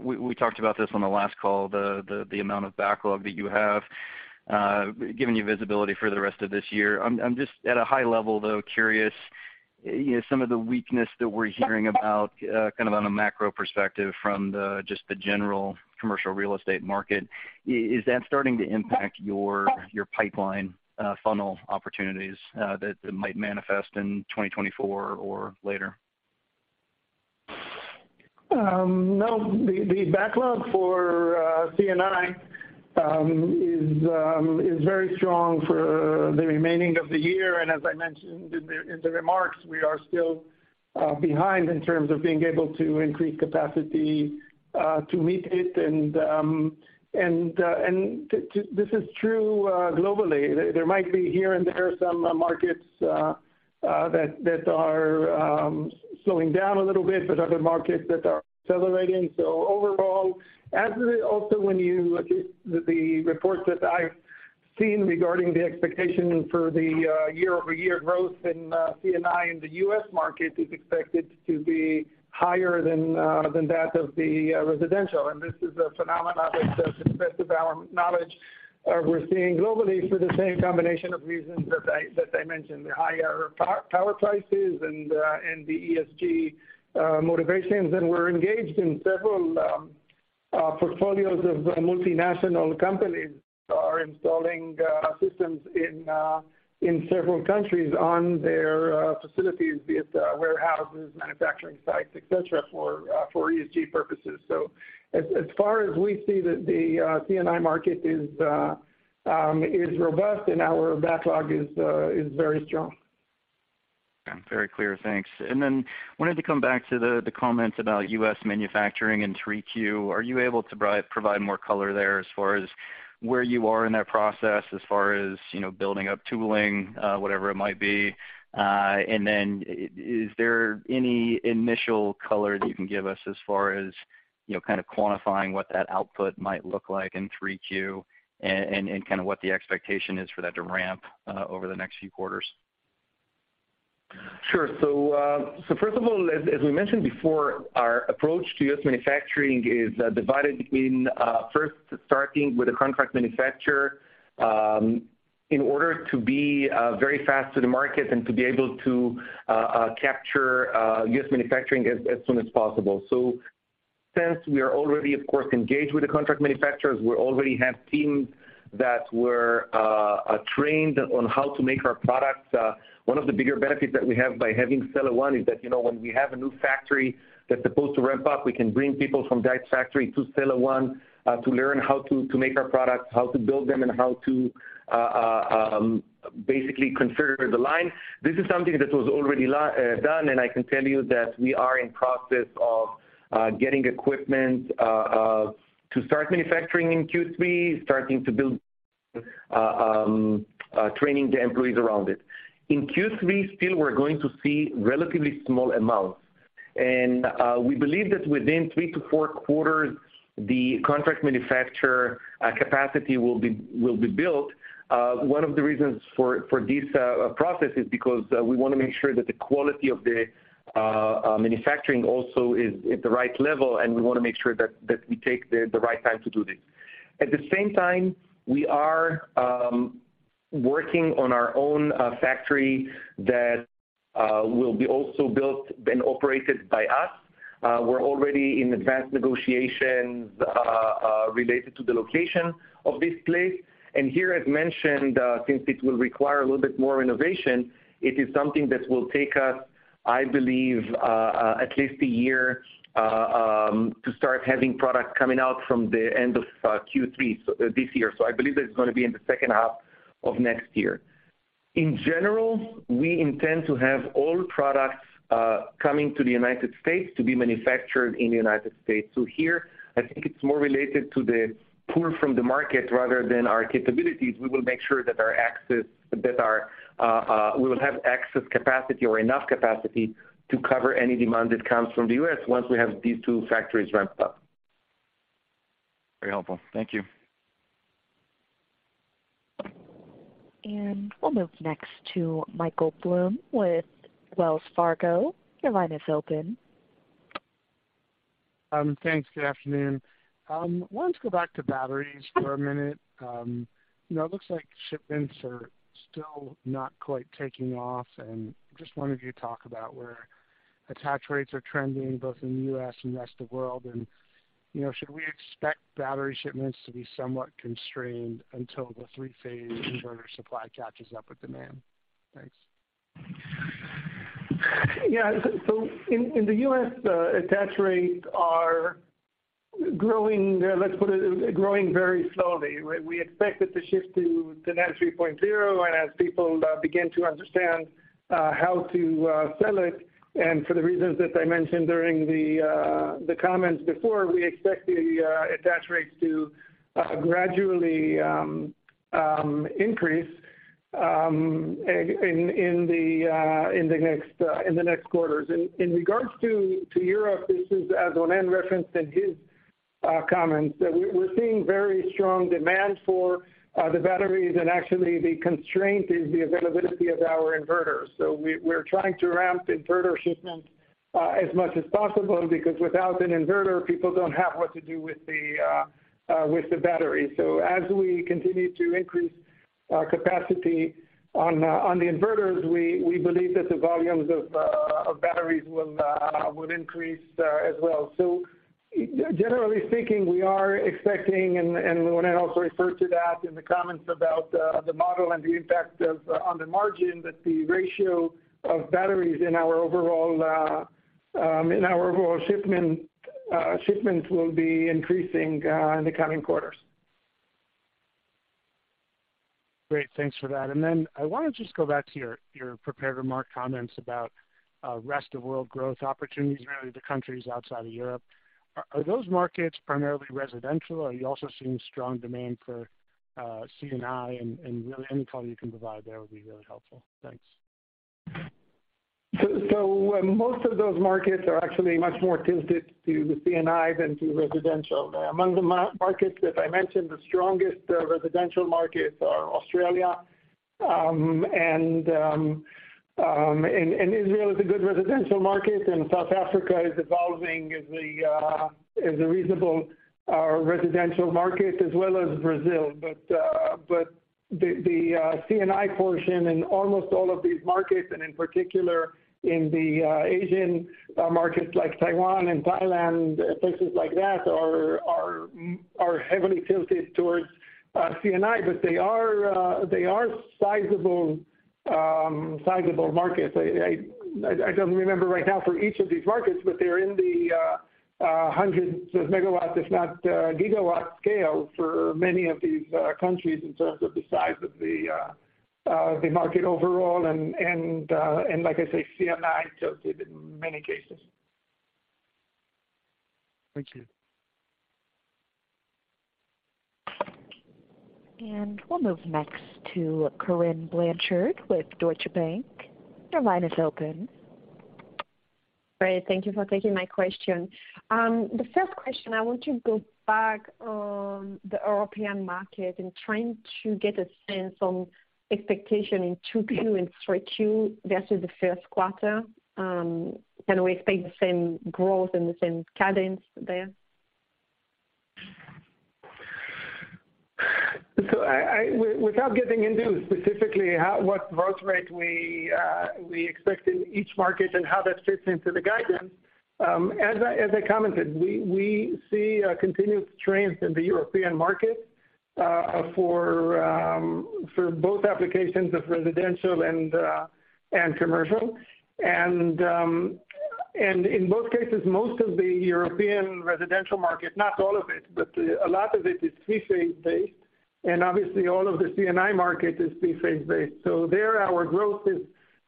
We talked about this on the last call, the amount of backlog that you have, giving you visibility for the rest of this year. I'm just at a high level, though, curious, you know, some of the weakness that we're hearing about, kind of on a macro perspective from the just the general commercial real estate market. Is that starting to impact your pipeline, funnel opportunities, that might manifest in 2024 or later?
No. The backlog for C&I is very strong for the remaining of the year. As I mentioned in the remarks, we are still behind in terms of being able to increase capacity to meet it. This is true globally. There might be here and there some markets that are slowing down a little bit, but other markets that are accelerating. Overall, as also when you look at the reports that I've seen regarding the expectation for the year-over-year growth in C&I in the U.S. market is expected to be higher than that of the residential. This is a phenomenon that to the best of our knowledge, we're seeing globally for the same combination of reasons that I mentioned, the higher power prices and the ESG motivations. We're engaged in several portfolios of multinational companies that are installing systems in several countries on their facilities, be it warehouses, manufacturing sites, et cetera, for ESG purposes. As far as we see the C&I market is robust and our backlog is very strong.
Very clear. Thanks. Then wanted to come back to the comments about U.S. manufacturing in 3Q. Are you able to provide more color there as far as where you are in that process as far as, you know, building up tooling, whatever it might be? Then is there any initial color that you can give us as far as, you know, kind of quantifying what that output might look like in 3Q and kind of what the expectation is for that to ramp over the next few quarters?
Sure. First of all, as we mentioned before, our approach to U.S. manufacturing is divided in first starting with a contract manufacturer in order to be very fast to the market and to be able to capture U.S. manufacturing as soon as possible. Since we are already, of course, engaged with the contract manufacturers, we already have teams that are trained on how to make our products. One of the bigger benefits that we have by having Sella 1 is that, you know, when we have a new factory that's supposed to ramp up, we can bring people from that factory to Sella 1 to learn how to make our products, how to build them, and how to basically configure the line. This is something that was already done, and I can tell you that we are in process of getting equipment to start manufacturing in Q3, starting to build training the employees around it. In Q3, still we're going to see relatively small amounts.
We believe that within three-four quarters, the contract manufacturer capacity will be built. One of the reasons for this process is because we wanna make sure that the quality of the manufacturing also is at the right level, and we wanna make sure that we take the right time to do this. At the same time, we are working on our own factory that will be also built and operated by us. We're already in advanced negotiations related to the location of this place. Here, as mentioned, since it will require a little bit more innovation, it is something that will take us, I believe, at least a year to start having product coming out from the end of Q3 this year. I believe that it's gonna be in the second half of next year. In general, we intend to have all products coming to the United States to be manufactured in the United States. Here, I think it's more related to the pull from the market rather than our capabilities. We will make sure that our access, We will have access capacity or enough capacity to cover any demand that comes from the U.S. once we have these two factories ramped up.
Very helpful. Thank you.
We'll move next to Michael Blum with Wells Fargo. Your line is open.
Thanks. Good afternoon. I want to go back to batteries for a minute. You know, it looks like shipments are still not quite taking off, and just wondered if you talk about where attach rates are trending, both in the U.S. and rest of world. You know, should we expect battery shipments to be somewhat constrained until the three-phase inverter supply catches up with demand? Thanks.
Yeah. In the US, attach rates are growing, let's put it, growing very slowly. We expect it to shift to NEM 3.0, as people begin to understand how to sell it, for the reasons that I mentioned during the comments before, we expect the attach rates to gradually increase in the next quarters. In regards to Europe, this is as Ronen referenced in his comments, that we're seeing very strong demand for the batteries and actually the constraint is the availability of our inverters. We're trying to ramp inverter shipments as much as possible because without an inverter, people don't have what to do with the battery. As we continue to increase our capacity on the inverters, we believe that the volumes of batteries will increase as well. Generally speaking, we are expecting, and Ronen also referred to that in the comments about the model and the impact on the margin, that the ratio of batteries in our overall shipments will be increasing in the coming quarters.
Great. Thanks for that. Then I want to just go back to your prepared remark comments about rest of world growth opportunities, really the countries outside of Europe. Are those markets primarily residential, or are you also seeing strong demand for C&I? Really any color you can provide there would be really helpful. Thanks.
Most of those markets are actually much more tilted to C&I than to residential. Among the markets that I mentioned, the strongest residential markets are Australia, and Israel is a good residential market, and South Africa is evolving as a reasonable residential market as well as Brazil. The C&I portion in almost all of these markets, and in particular in the Asian markets like Taiwan and Thailand, places like that are heavily tilted towards C&I. They are sizable markets. I don't remember right now for each of these markets, but they're in the hundreds of MW, if not GW scale for many of these countries in terms of the size of the market overall. Like I say, C&I tilted in many cases.
Thank you.
We'll move next to Corinne Blanchard with Deutsche Bank. Your line is open.
Great. Thank you for taking my question. The first question, I want to go back on the European market and trying to get a sense on expectation in 2Q and 3Q versus the first quarter. Can we expect the same growth and the same cadence there?
I, without getting into specifically how, what growth rate we expect in each market and how that fits into the guidance, as I commented, we see a continued strength in the European market for both applications of residential and commercial. In both cases, most of the European residential market, not all of it, but a lot of it is three-phase based. Obviously all of the C&I market is three-phase based. There our growth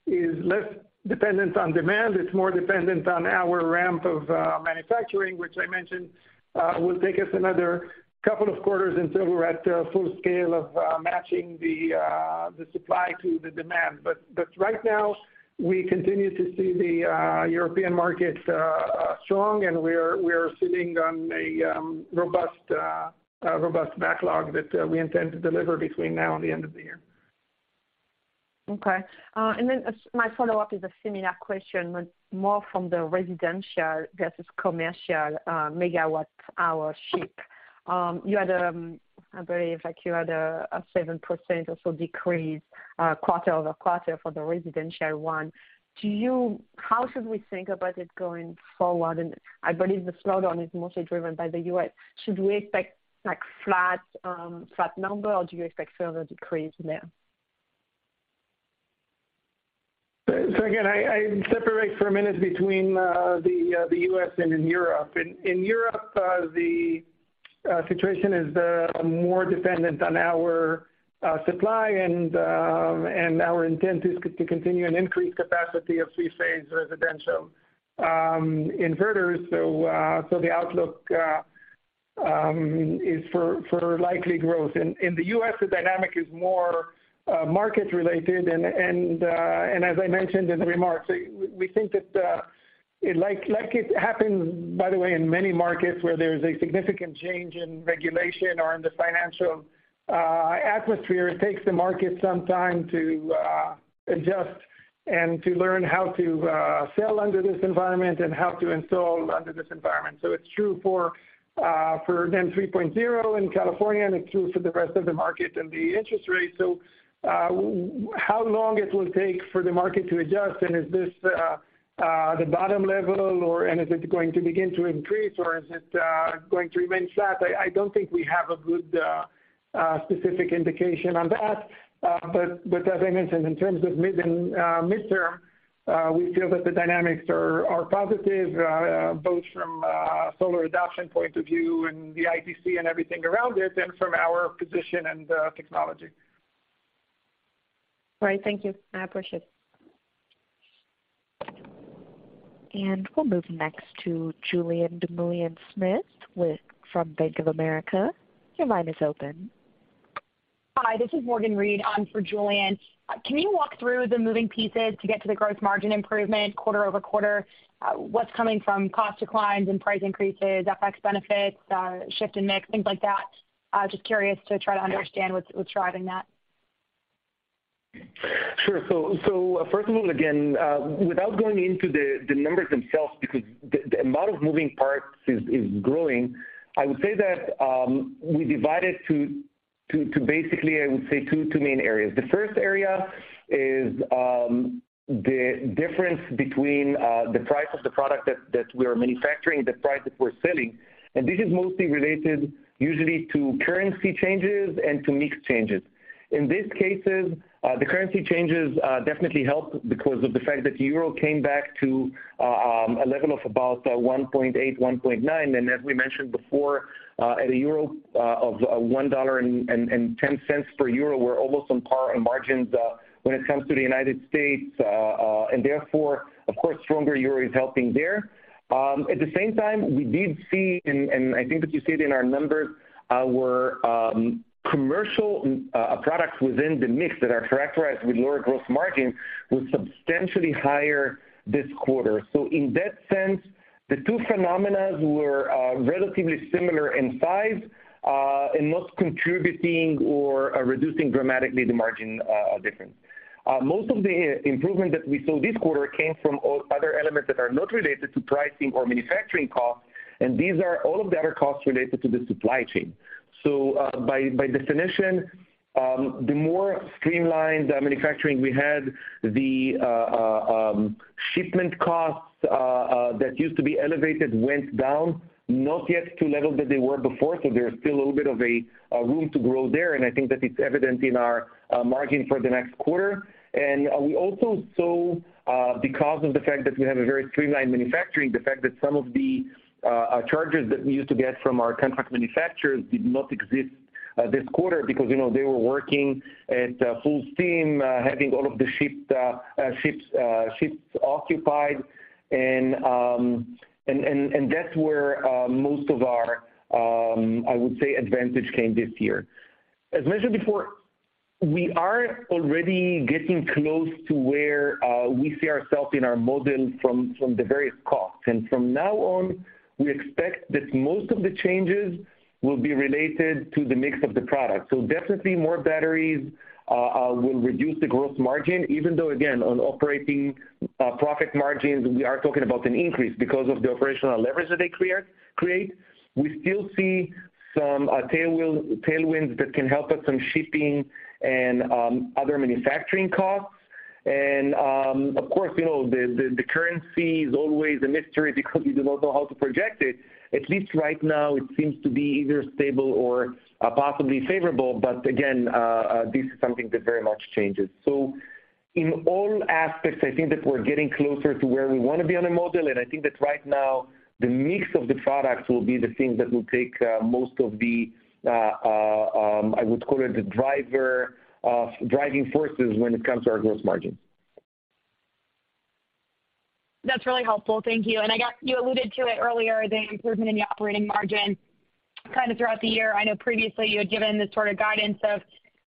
is less dependent on demand. It's more dependent on our ramp of manufacturing, which I mentioned, will take us another couple of quarters until we're at full scale of matching the supply to the demand. Right now, we continue to see the European market strong, and we're sitting on a robust backlog that we intend to deliver between now and the end of the year.
Okay. My follow-up is a similar question, but more from the residential versus commercial megawatt-hour ship. You had, I believe, like you had a 7% or so decrease quarter-over-quarter for the residential one. How should we think about it going forward? I believe the slowdown is mostly driven by the U.S. Should we expect like flat number, or do you expect further decrease there?
Again, I separate for a minute between the U.S. and in Europe. In Europe, the situation is more dependent on our supply and our intent is to continue and increase capacity of three-phase residential inverters. The outlook is for likely growth. In the U.S., the dynamic is more market related and as I mentioned in the remarks, we think that like it happens, by the way, in many markets where there's a significant change in regulation or in the financial atmosphere, it takes the market some time to adjust and to learn how to sell under this environment and how to install under this environment. It's true for for NEM 3.0 in California, and it's true for the rest of the market and the interest rates. How long it will take for the market to adjust and is this the bottom level or, and is it going to begin to increase or is it going to remain flat? I don't think we have a good specific indication on that. As I mentioned, in terms of mid and midterm, we feel that the dynamics are positive, both from a solar adoption point of view and the ITC and everything around it and from our position and technology.
All right. Thank you. I appreciate it.
we'll move next to Julien Dumoulin-Smith from Bank of America. Your line is open.
Hi, this is Morgan Reid on for Julien. Can you walk through the moving pieces to get to the growth margin improvement quarter-over-quarter? What's coming from cost declines and price increases, FX benefits, shift in mix, things like that? Just curious to try to understand what's driving that.
Sure. First of all, again, without going into the numbers themselves, because the amount of moving parts is growing, I would say that we divided to basically, I would say two main areas. The first area is the difference between the price of the product that we are manufacturing, the price that we're selling. This is mostly related usually to currency changes and to mix changes. In these cases, the currency changes definitely helped because of the fact that the EUR came back to a level of about $1.8-$1.9. As we mentioned before, at a EUR of $1.10 per EUR, we're almost on par on margins when it comes to the United States.
Therefore, of course, stronger EUR is helping there. At the same time, we did see, and I think that you see it in our numbers, were commercial products within the mix that are characterized with lower growth margins were substantially higher this quarter. In that sense, the two phenomenas were relatively similar in size and not contributing or reducing dramatically the margin difference. Most of the improvement that we saw this quarter came from other elements that are not related to pricing or manufacturing costs, and these are all of the other costs related to the supply chain. By definition, the more streamlined manufacturing we had, the shipment costs that used to be elevated went down, not yet to level that they were before. There's still a little bit of room to grow there, and I think that it's evident in our margin for the next quarter. We also saw because of the fact that we have a very streamlined manufacturing, the fact that some of the charges that we used to get from our contract manufacturers did not exist this quarter because, you know, they were working at full steam, having all of the shipped ships occupied. That's where most of our, I would say, advantage came this year. As mentioned before, we are already getting close to where we see ourself in our model from the various costs. From now on, we expect that most of the changes will be related to the mix of the product. definitely more batteries will reduce the gross margin, even though again, on operating profit margins, we are talking about an increase because of the operational leverage that they create. We still see some tailwinds that can help us on shipping and other manufacturing costs. Of course, you know, the, the currency is always a mystery because we do not know how to project it. At least right now, it seems to be either stable or possibly favorable, but again, this is something that very much changes. In all aspects, I think that we're getting closer to where we wanna be on a model. I think that right now, the mix of the products will be the thing that will take most of the I would call it the driving forces when it comes to our gross margin.
That's really helpful. Thank you. You alluded to it earlier, the improvement in the operating margin kind of throughout the year. I know previously you had given the sort of guidance of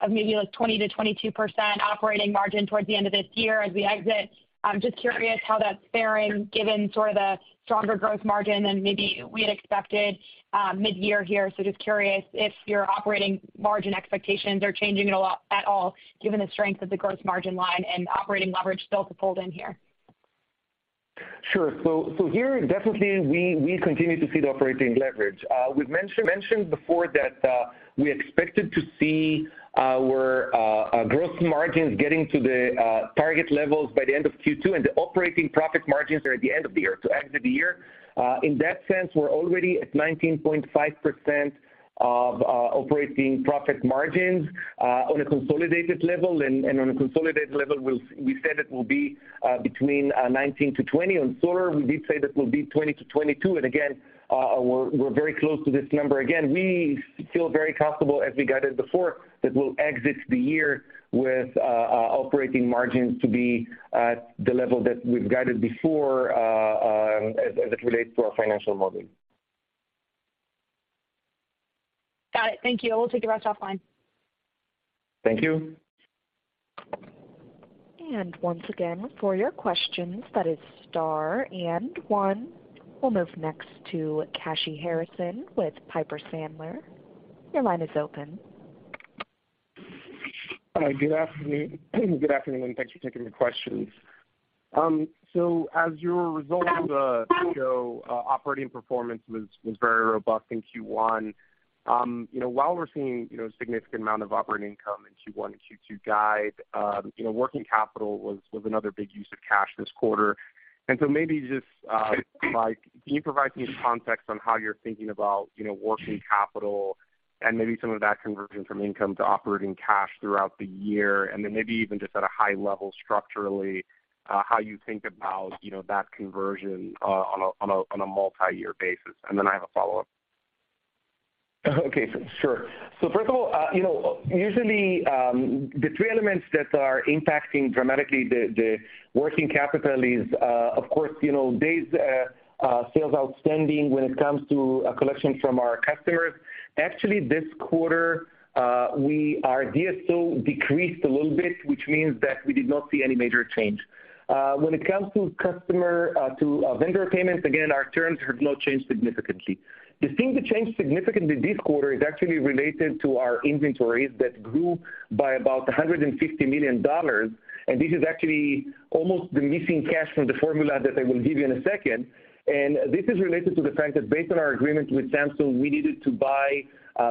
maybe like 20%-22% operating margin towards the end of this year as we exit. I'm just curious how that's faring given sort of the stronger growth margin than maybe we had expected mid-year here. Just curious if your operating margin expectations are changing at all, given the strength of the gross margin line and operating leverage still to fold in here.
Sure. So here, definitely, we continue to see the operating leverage. We've mentioned before that we expected to see our gross margins getting to the target levels by the end of Q2, and the operating profit margins are at the end of the year. In that sense, we're already at 19.5% of operating profit margins on a consolidated level. And on a consolidated level, we said it will be between 19%-20%. On solar, we did say that will be 20%-22%. Again, we're very close to this number. We feel very comfortable as we guided before that we'll exit the year with operating margins to be at the level that we've guided before, as it relates to our financial model.
Got it. Thank you. We'll take the rest offline.
Thank you.
Once again, for your questions, that is star and one. We'll move next to Kashy Harrison with Piper Sandler. Your line is open.
Hi. Good afternoon. Good afternoon, and thanks for taking the questions. So as your results show, operating performance was very robust in Q1. You know, while we're seeing, you know, a significant amount of operating income in Q1 and Q2 guide, you know, working capital was another big use of cash this quarter. Maybe just, Mike, can you provide any context on how you're thinking about, you know, working capital and maybe some of that conversion from income to operating cash throughout the year? Then maybe even just at a high level structurally, how you think about, you know, that conversion on a multi-year basis? Then I have a follow-up.
Okay, sure. First of all, you know, usually, the three elements that are impacting dramatically the working capital is, of course, you know, days sales outstanding when it comes to a collection from our customers. Actually, this quarter, our DSO decreased a little bit, which means that we did not see any major change. When it comes to customer, to vendor payments, again, our terms have not changed significantly. The thing that changed significantly this quarter is actually related to our inventories that grew by about $150 million, and this is actually almost the missing cash from the formula that I will give you in a second. This is related to the fact that based on our agreement with Samsung, we needed to buy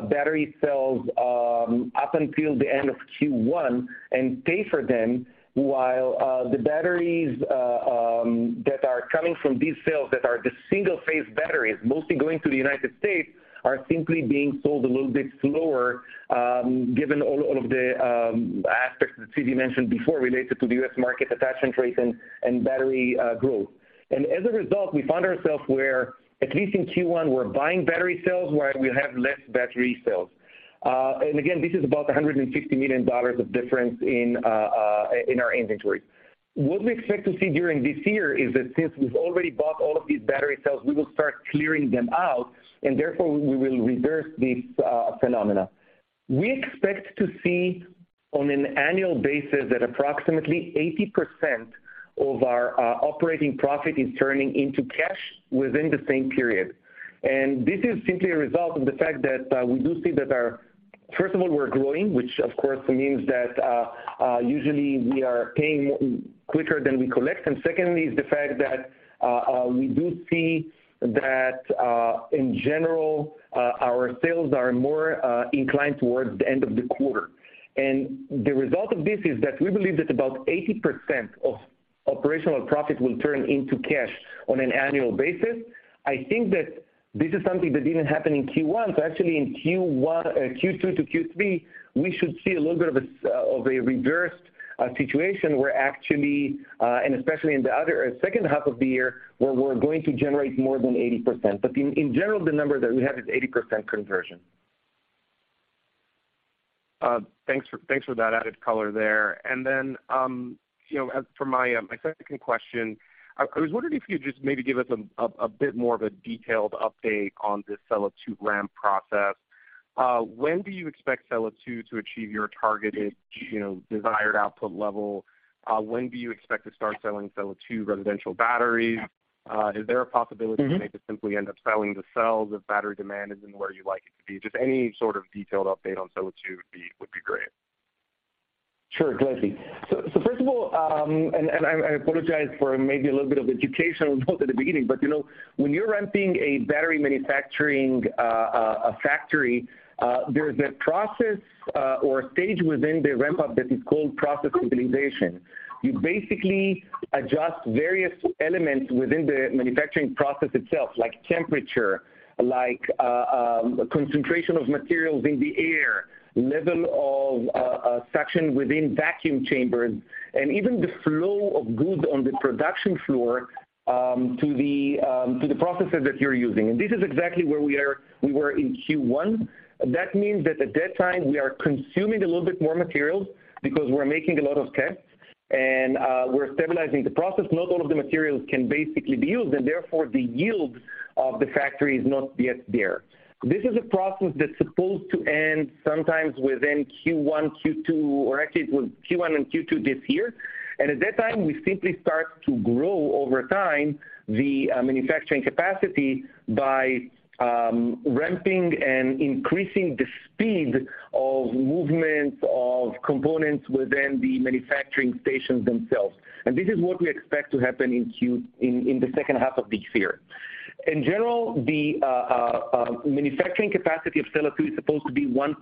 battery cells up until the end of Q1 and pay for them while the batteries that are coming from these cells that are the single-phase batteries, mostly going to the United States, are simply being sold a little bit slower, given all of the aspects that Tzvika mentioned before related to the U.S. market attachment rates and battery growth. As a result, we found ourselves where, at least in Q1, we're buying battery cells while we have less battery cells. Again, this is about $150 million of difference in our inventory. What we expect to see during this year is that since we've already bought all of these battery cells, we will start clearing them out, and therefore, we will reverse this phenomena. We expect to see on an annual basis that approximately 80% of our operating profit is turning into cash within the same period. This is simply a result of the fact that we do see that our First of all, we're growing, which of course means that usually we are paying quicker than we collect. Second is the fact that we do see that in general our sales are more inclined towards the end of the quarter. The result of this is that we believe that about 80% of operational profit will turn into cash on an annual basis. I think that this is something that didn't happen in Q1. Actually in Q1, Q2 to Q3, we should see a little bit of a reversed, situation where actually, and especially in the other, second half of the year, where we're going to generate more than 80%. In, in general, the number that we have is 80% conversion.
Thanks for that added color there. Then, you know, as for my second question, I was wondering if you'd just maybe give us a bit more of a detailed update on this Sella 2 ramp process. When do you expect Sella 2 to achieve your targeted, you know, desired output level? When do you expect to start selling Sella 2 residential batteries? Is there a possibility-
Mm-hmm.
that you may just simply end up selling the cells if battery demand isn't where you'd like it to be? Just any sort of detailed update on Sella 2 would be great.
Sure, gladly. First of all, I apologize for maybe a little bit of educational note at the beginning, but you know, when you're ramping a battery manufacturing a factory, there's a process or a stage within the ramp-up that is called process stabilization. You basically adjust various elements within the manufacturing process itself, like temperature, like concentration of materials in the air, level of suction within vacuum chambers, and even the flow of goods on the production floor to the processes that you're using. This is exactly where we are, we were in Q1. That means that at that time, we are consuming a little bit more materials because we're making a lot of tests and we're stabilizing the process. Not all of the materials can basically be used, and therefore the yield of the factory is not yet there. This is a process that's supposed to end sometimes within Q1, Q2, or actually it was Q1 and Q2 this year. At that time, we simply start to grow over time the manufacturing capacity by ramping and increasing the speed of movement of components within the manufacturing stations themselves. This is what we expect to happen in the second half of this year. In general, the manufacturing capacity of Sella 2 is supposed to be it's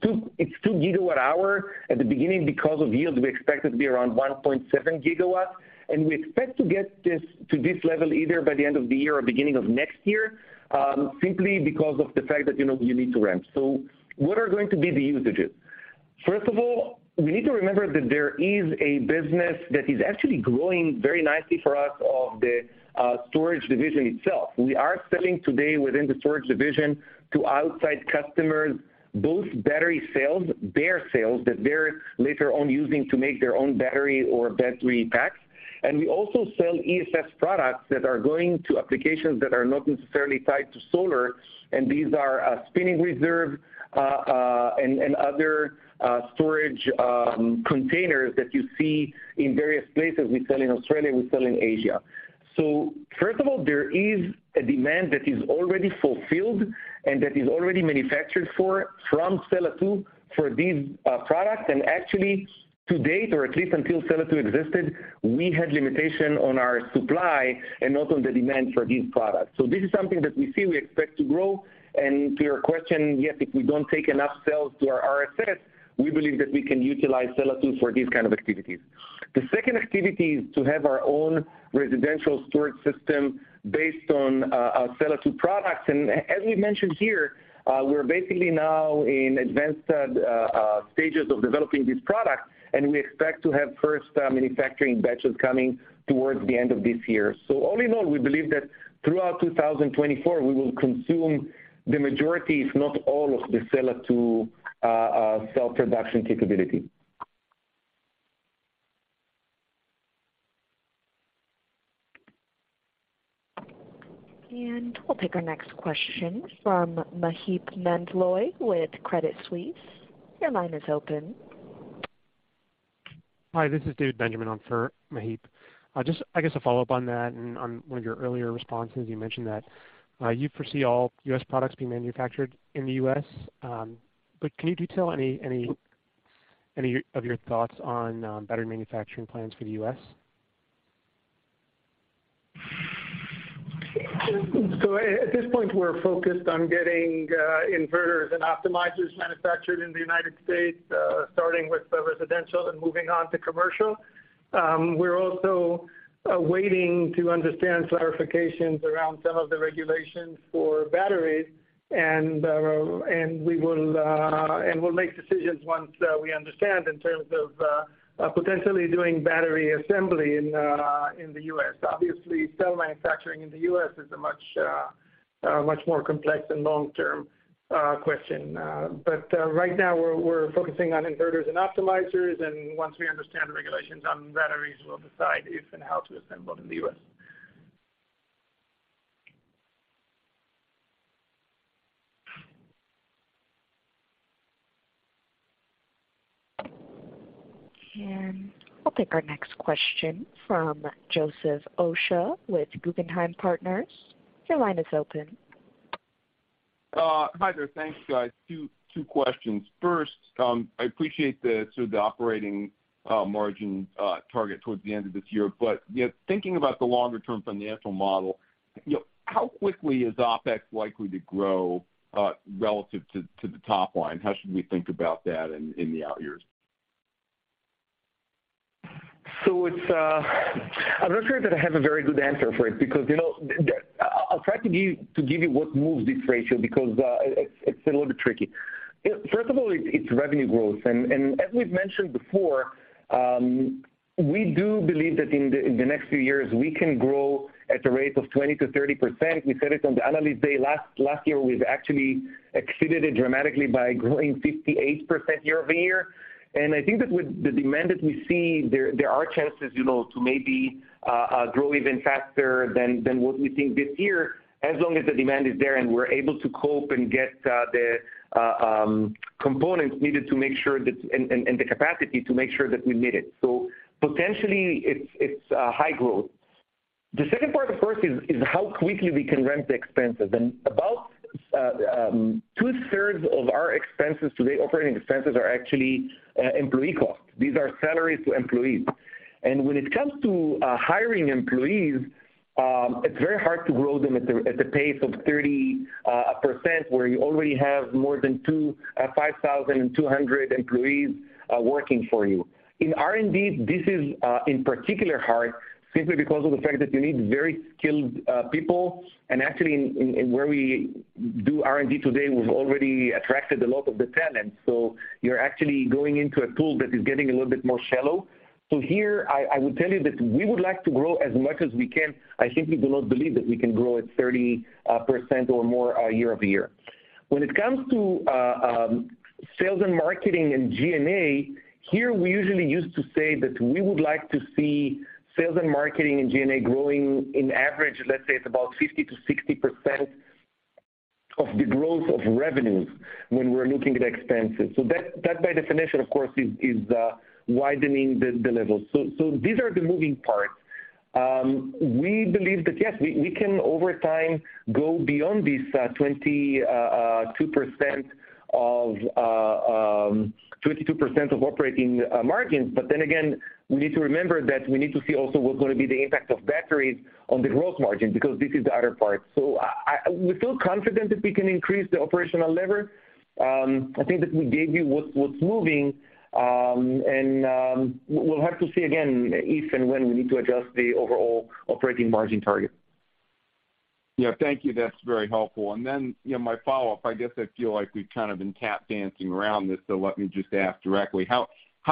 2 GWh. At the beginning because of yields, we expect it to be around 1.7 GW. We expect to get this to this level either by the end of the year or beginning of next year, simply because of the fact that, you know, you need to ramp. What are going to be the usages? First of all, we need to remember that there is a business that is actually growing very nicely for us of the storage division itself. We are selling today within the storage division to outside customers, both battery cells, bare cells, that they're later on using to make their own battery or battery packs. We also sell ESS products that are going to applications that are not necessarily tied to solar, these are spinning reserve and other storage containers that you see in various places. We sell in Australia, we sell in Asia. First of all, there is a demand that is already fulfilled and that is already manufactured for from Sella 2 for these products. Actually to date, or at least until Sella 2 existed, we had limitation on our supply and not on the demand for these products. This is something that we see, we expect to grow. To your question, yes, if we don't take enough cells to our RSS, we believe that we can utilize Sella 2 for these kind of activities. The second activity is to have our own residential storage system based on our Sella 2 products. As we mentioned here, we're basically now in advanced stages of developing this product, and we expect to have first manufacturing batches coming towards the end of this year. All in all, we believe that throughout 2024, we will consume the majority, if not all, of the Sella 2 cell production capability.
We'll take our next question from Maheep Mandloi with Credit Suisse. Your line is open.
Hi, this is Dave Benjamin on for Maheep. Just I guess to follow up on that and on one of your earlier responses, you mentioned that you foresee all U.S. products being manufactured in the U.S.. Can you detail any of your thoughts on battery manufacturing plans for the U.S.?
At this point, we're focused on getting inverters and optimizers manufactured in the United States, starting with the residential and moving on to commercial. We're also waiting to understand clarifications around some of the regulations for batteries, and we'll make decisions once we understand in terms of potentially doing battery assembly in the U.S. Obviously, cell manufacturing in the U.S. is a much more complex and long-term question. Right now we're focusing on inverters and optimizers, and once we understand the regulations on batteries, we'll decide if and how to assemble them in the U.S..
I'll take our next question from Joseph Osha with Guggenheim Partners. Your line is open.
Hi there. Thanks, guys. Two questions. First, I appreciate the sort of the operating margin target towards the end of this year. You know, thinking about the longer term financial model, you know, how quickly is OpEx likely to grow relative to the top line? How should we think about that in the out years?
It's, I'm not sure that I have a very good answer for it because, you know, I'll try to give you what moves this ratio because it's a little bit tricky. First of all, it's revenue growth. As we've mentioned before, we do believe that in the next few years, we can grow at a rate of 20%-30%. We said it on the Analyst Day last year. We've actually exceeded it dramatically by growing 58% year-over-year. I think that with the demand that we see there are chances, you know, to maybe grow even faster than what we think this year, as long as the demand is there and we're able to cope and get the components needed to make sure that... The capacity to make sure that we meet it. Potentially it's high growth. The second part, of course, is how quickly we can ramp the expenses. About two-thirds of our expenses today, operating expenses, are actually employee costs. These are salaries to employees. When it comes to hiring employees, it's very hard to grow them at the pace of 30% where you already have more than 5,200 employees working for you. In R&D, this is in particular hard simply because of the fact that you need very skilled people. Actually in where we do R&D today, we've already attracted a lot of the talent, so you're actually going into a pool that is getting a little bit more shallow. Here I will tell you that we would like to grow as much as we can. I simply do not believe that we can grow at 30% or more year-over-year. When it comes to sales and marketing and G&A, here we usually used to say that we would like to see sales and marketing and G&A growing in average, let's say at about 50%-60% of the growth of revenues when we're looking at expenses. That by definition, of course, is widening the levels. These are the moving parts. We believe that, yes, we can over time go beyond this 22% of operating margins. Again, we need to remember that we need to see also what's gonna be the impact of batteries on the growth margin because this is the other part. We feel confident that we can increase the operational lever. I think that we gave you what's moving, and we'll have to see again if and when we need to adjust the overall operating margin target.
Yeah, thank you. That's very helpful. You know, my follow-up, I guess I feel like we've kind of been tap dancing around this, so let me just ask directly. How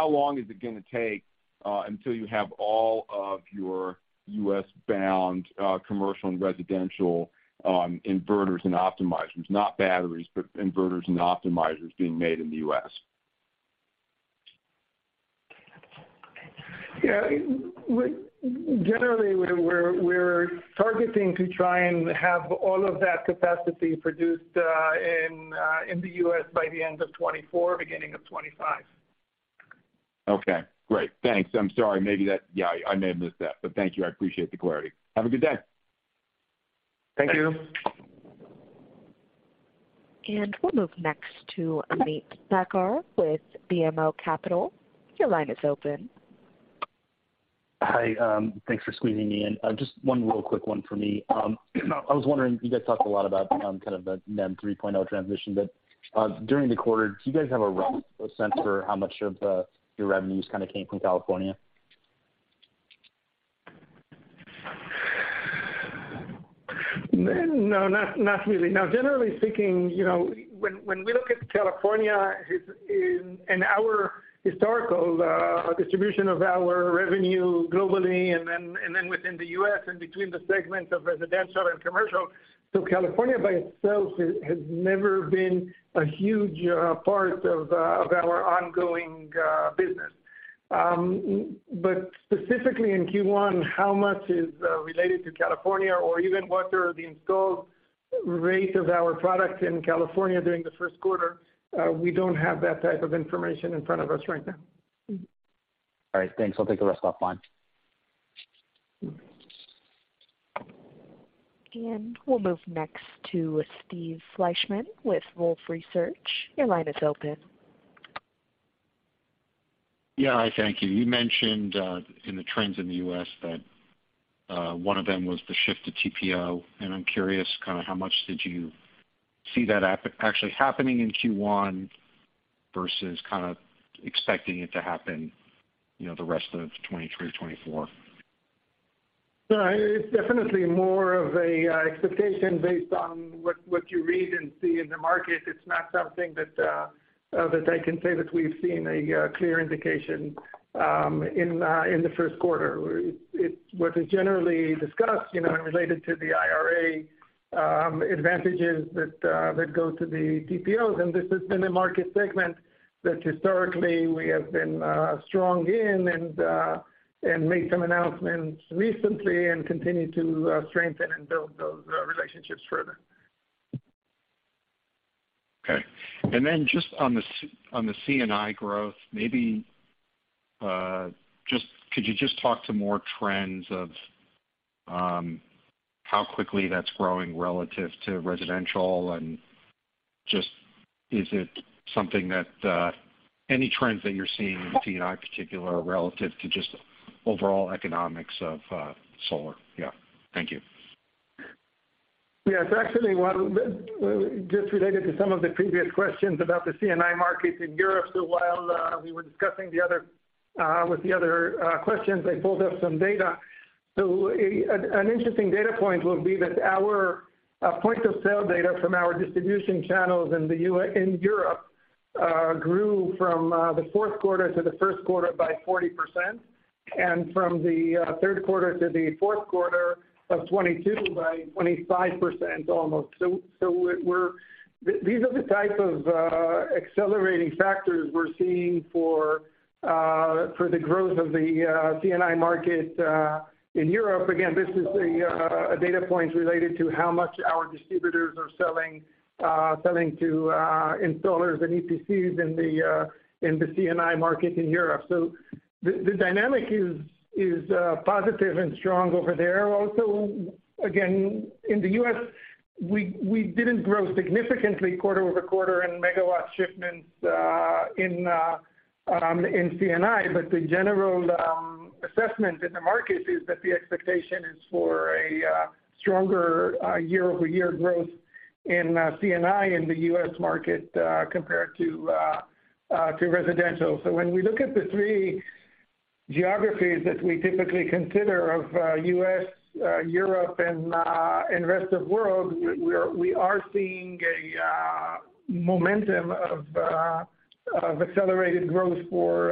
long is it gonna take until you have all of your US-bound commercial and residential inverters and optimizers, not batteries, but inverters and optimizers being made in the US?
Yeah, generally, we're targeting to try and have all of that capacity produced, in the U.S. by the end of 2024, beginning of 2025.
Okay, great. Thanks. I'm sorry, maybe. Yeah, I may have missed that, but thank you. I appreciate the clarity. Have a good day.
Thank you.
We'll move next to Ameet Thakkar with BMO Capital. Your line is open.
Hi, thanks for squeezing me in. Just one real quick one for me. I was wondering, you guys talked a lot about, kind of the NEM 3.0 transition, but, during the quarter, do you guys have a rough sense for how much of your revenues kinda came from California?
No, not really. Generally speaking, you know, when we look at California in our historical distribution of our revenue globally, and then within the U.S. and between the segments of residential and commercial. California by itself has never been a huge part of our ongoing business. But specifically in Q1, how much is related to California or even what are the installed rate of our products in California during the first quarter, we don't have that type of information in front of us right now.
All right. Thanks. I'll take the rest offline.
We'll move next to Steve Fleishman with Wolfe Research. Your line is open.
Yeah. Hi, thank you. You mentioned in the trends in the U.S. that one of them was the shift to TPO, and I'm curious kinda how much did you see that actually happening in Q1 versus kind of expecting it to happen, you know, the rest of 2023, 2024?
It's definitely more of a expectation based on what you read and see in the market. It's not something that I can say that we've seen a clear indication in the first quarter. What is generally discussed, you know, related to the IRA, advantages that go to the TPOs, and this has been a market segment that historically we have been strong in and made some announcements recently and continue to strengthen and build those relationships further.
Okay. Just on the C&I growth, maybe, could you just talk to more trends of how quickly that's growing relative to residential and just is it something that, any trends that you're seeing in C&I particular relative to just overall economics of solar? Yeah. Thank you.
Yes. Actually, well, just related to some of the previous questions about the C&I market in Europe, while we were discussing the other with the other questions, I pulled up some data. An interesting data point will be that our point of sale data from our distribution channels in Europe grew from the fourth quarter to the first quarter by 40% and from the third quarter to the fourth quarter of 2022 by 25% almost. We're these are the type of accelerating factors we're seeing for the growth of the C&I market in Europe. Again, this is a data point related to how much our distributors are selling to installers and EPCs in the C&I market in Europe. The dynamic is positive and strong over there. Also, again, in the U.S., we didn't grow significantly quarter-over-quarter in megawatt shipments in C&I. The general Assessment in the market is that the expectation is for a stronger year-over-year growth in C&I in the U.S. market compared to residential. When we look at the three geographies that we typically consider of U.S., Europe and rest of world, we are seeing a momentum of accelerated growth for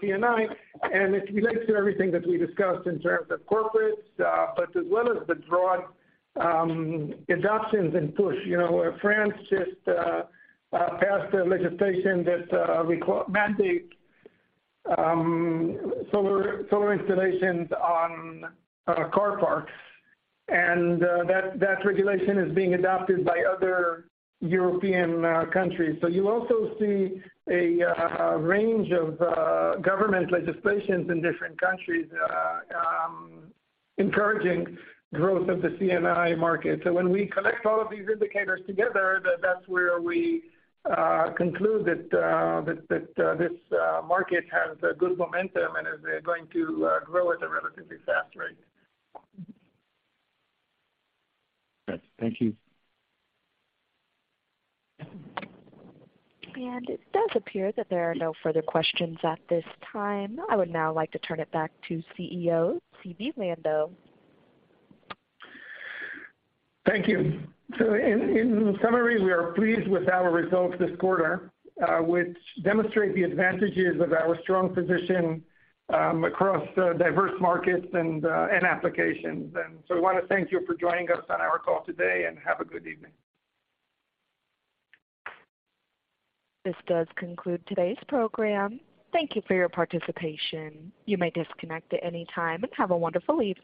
C&I. It relates to everything that we discussed in terms of corporates, but as well as the broad adoptions and push. You know, France just passed a legislation that mandate solar installations on car parks. That regulation is being adopted by other European countries. You also see a range of government legislations in different countries encouraging growth of the C&I market. When we collect all of these indicators together, that's where we conclude that this market has a good momentum and is going to grow at a relatively fast rate.
Great. Thank you.
It does appear that there are no further questions at this time. I would now like to turn it back to CEO, Zvi Lando.
Thank you. In summary, we are pleased with our results this quarter, which demonstrate the advantages of our strong position across diverse markets and applications. We wanna thank you for joining us on our call today, and have a good evening.
This does conclude today's program. Thank you for your participation. You may disconnect at any time. Have a wonderful evening.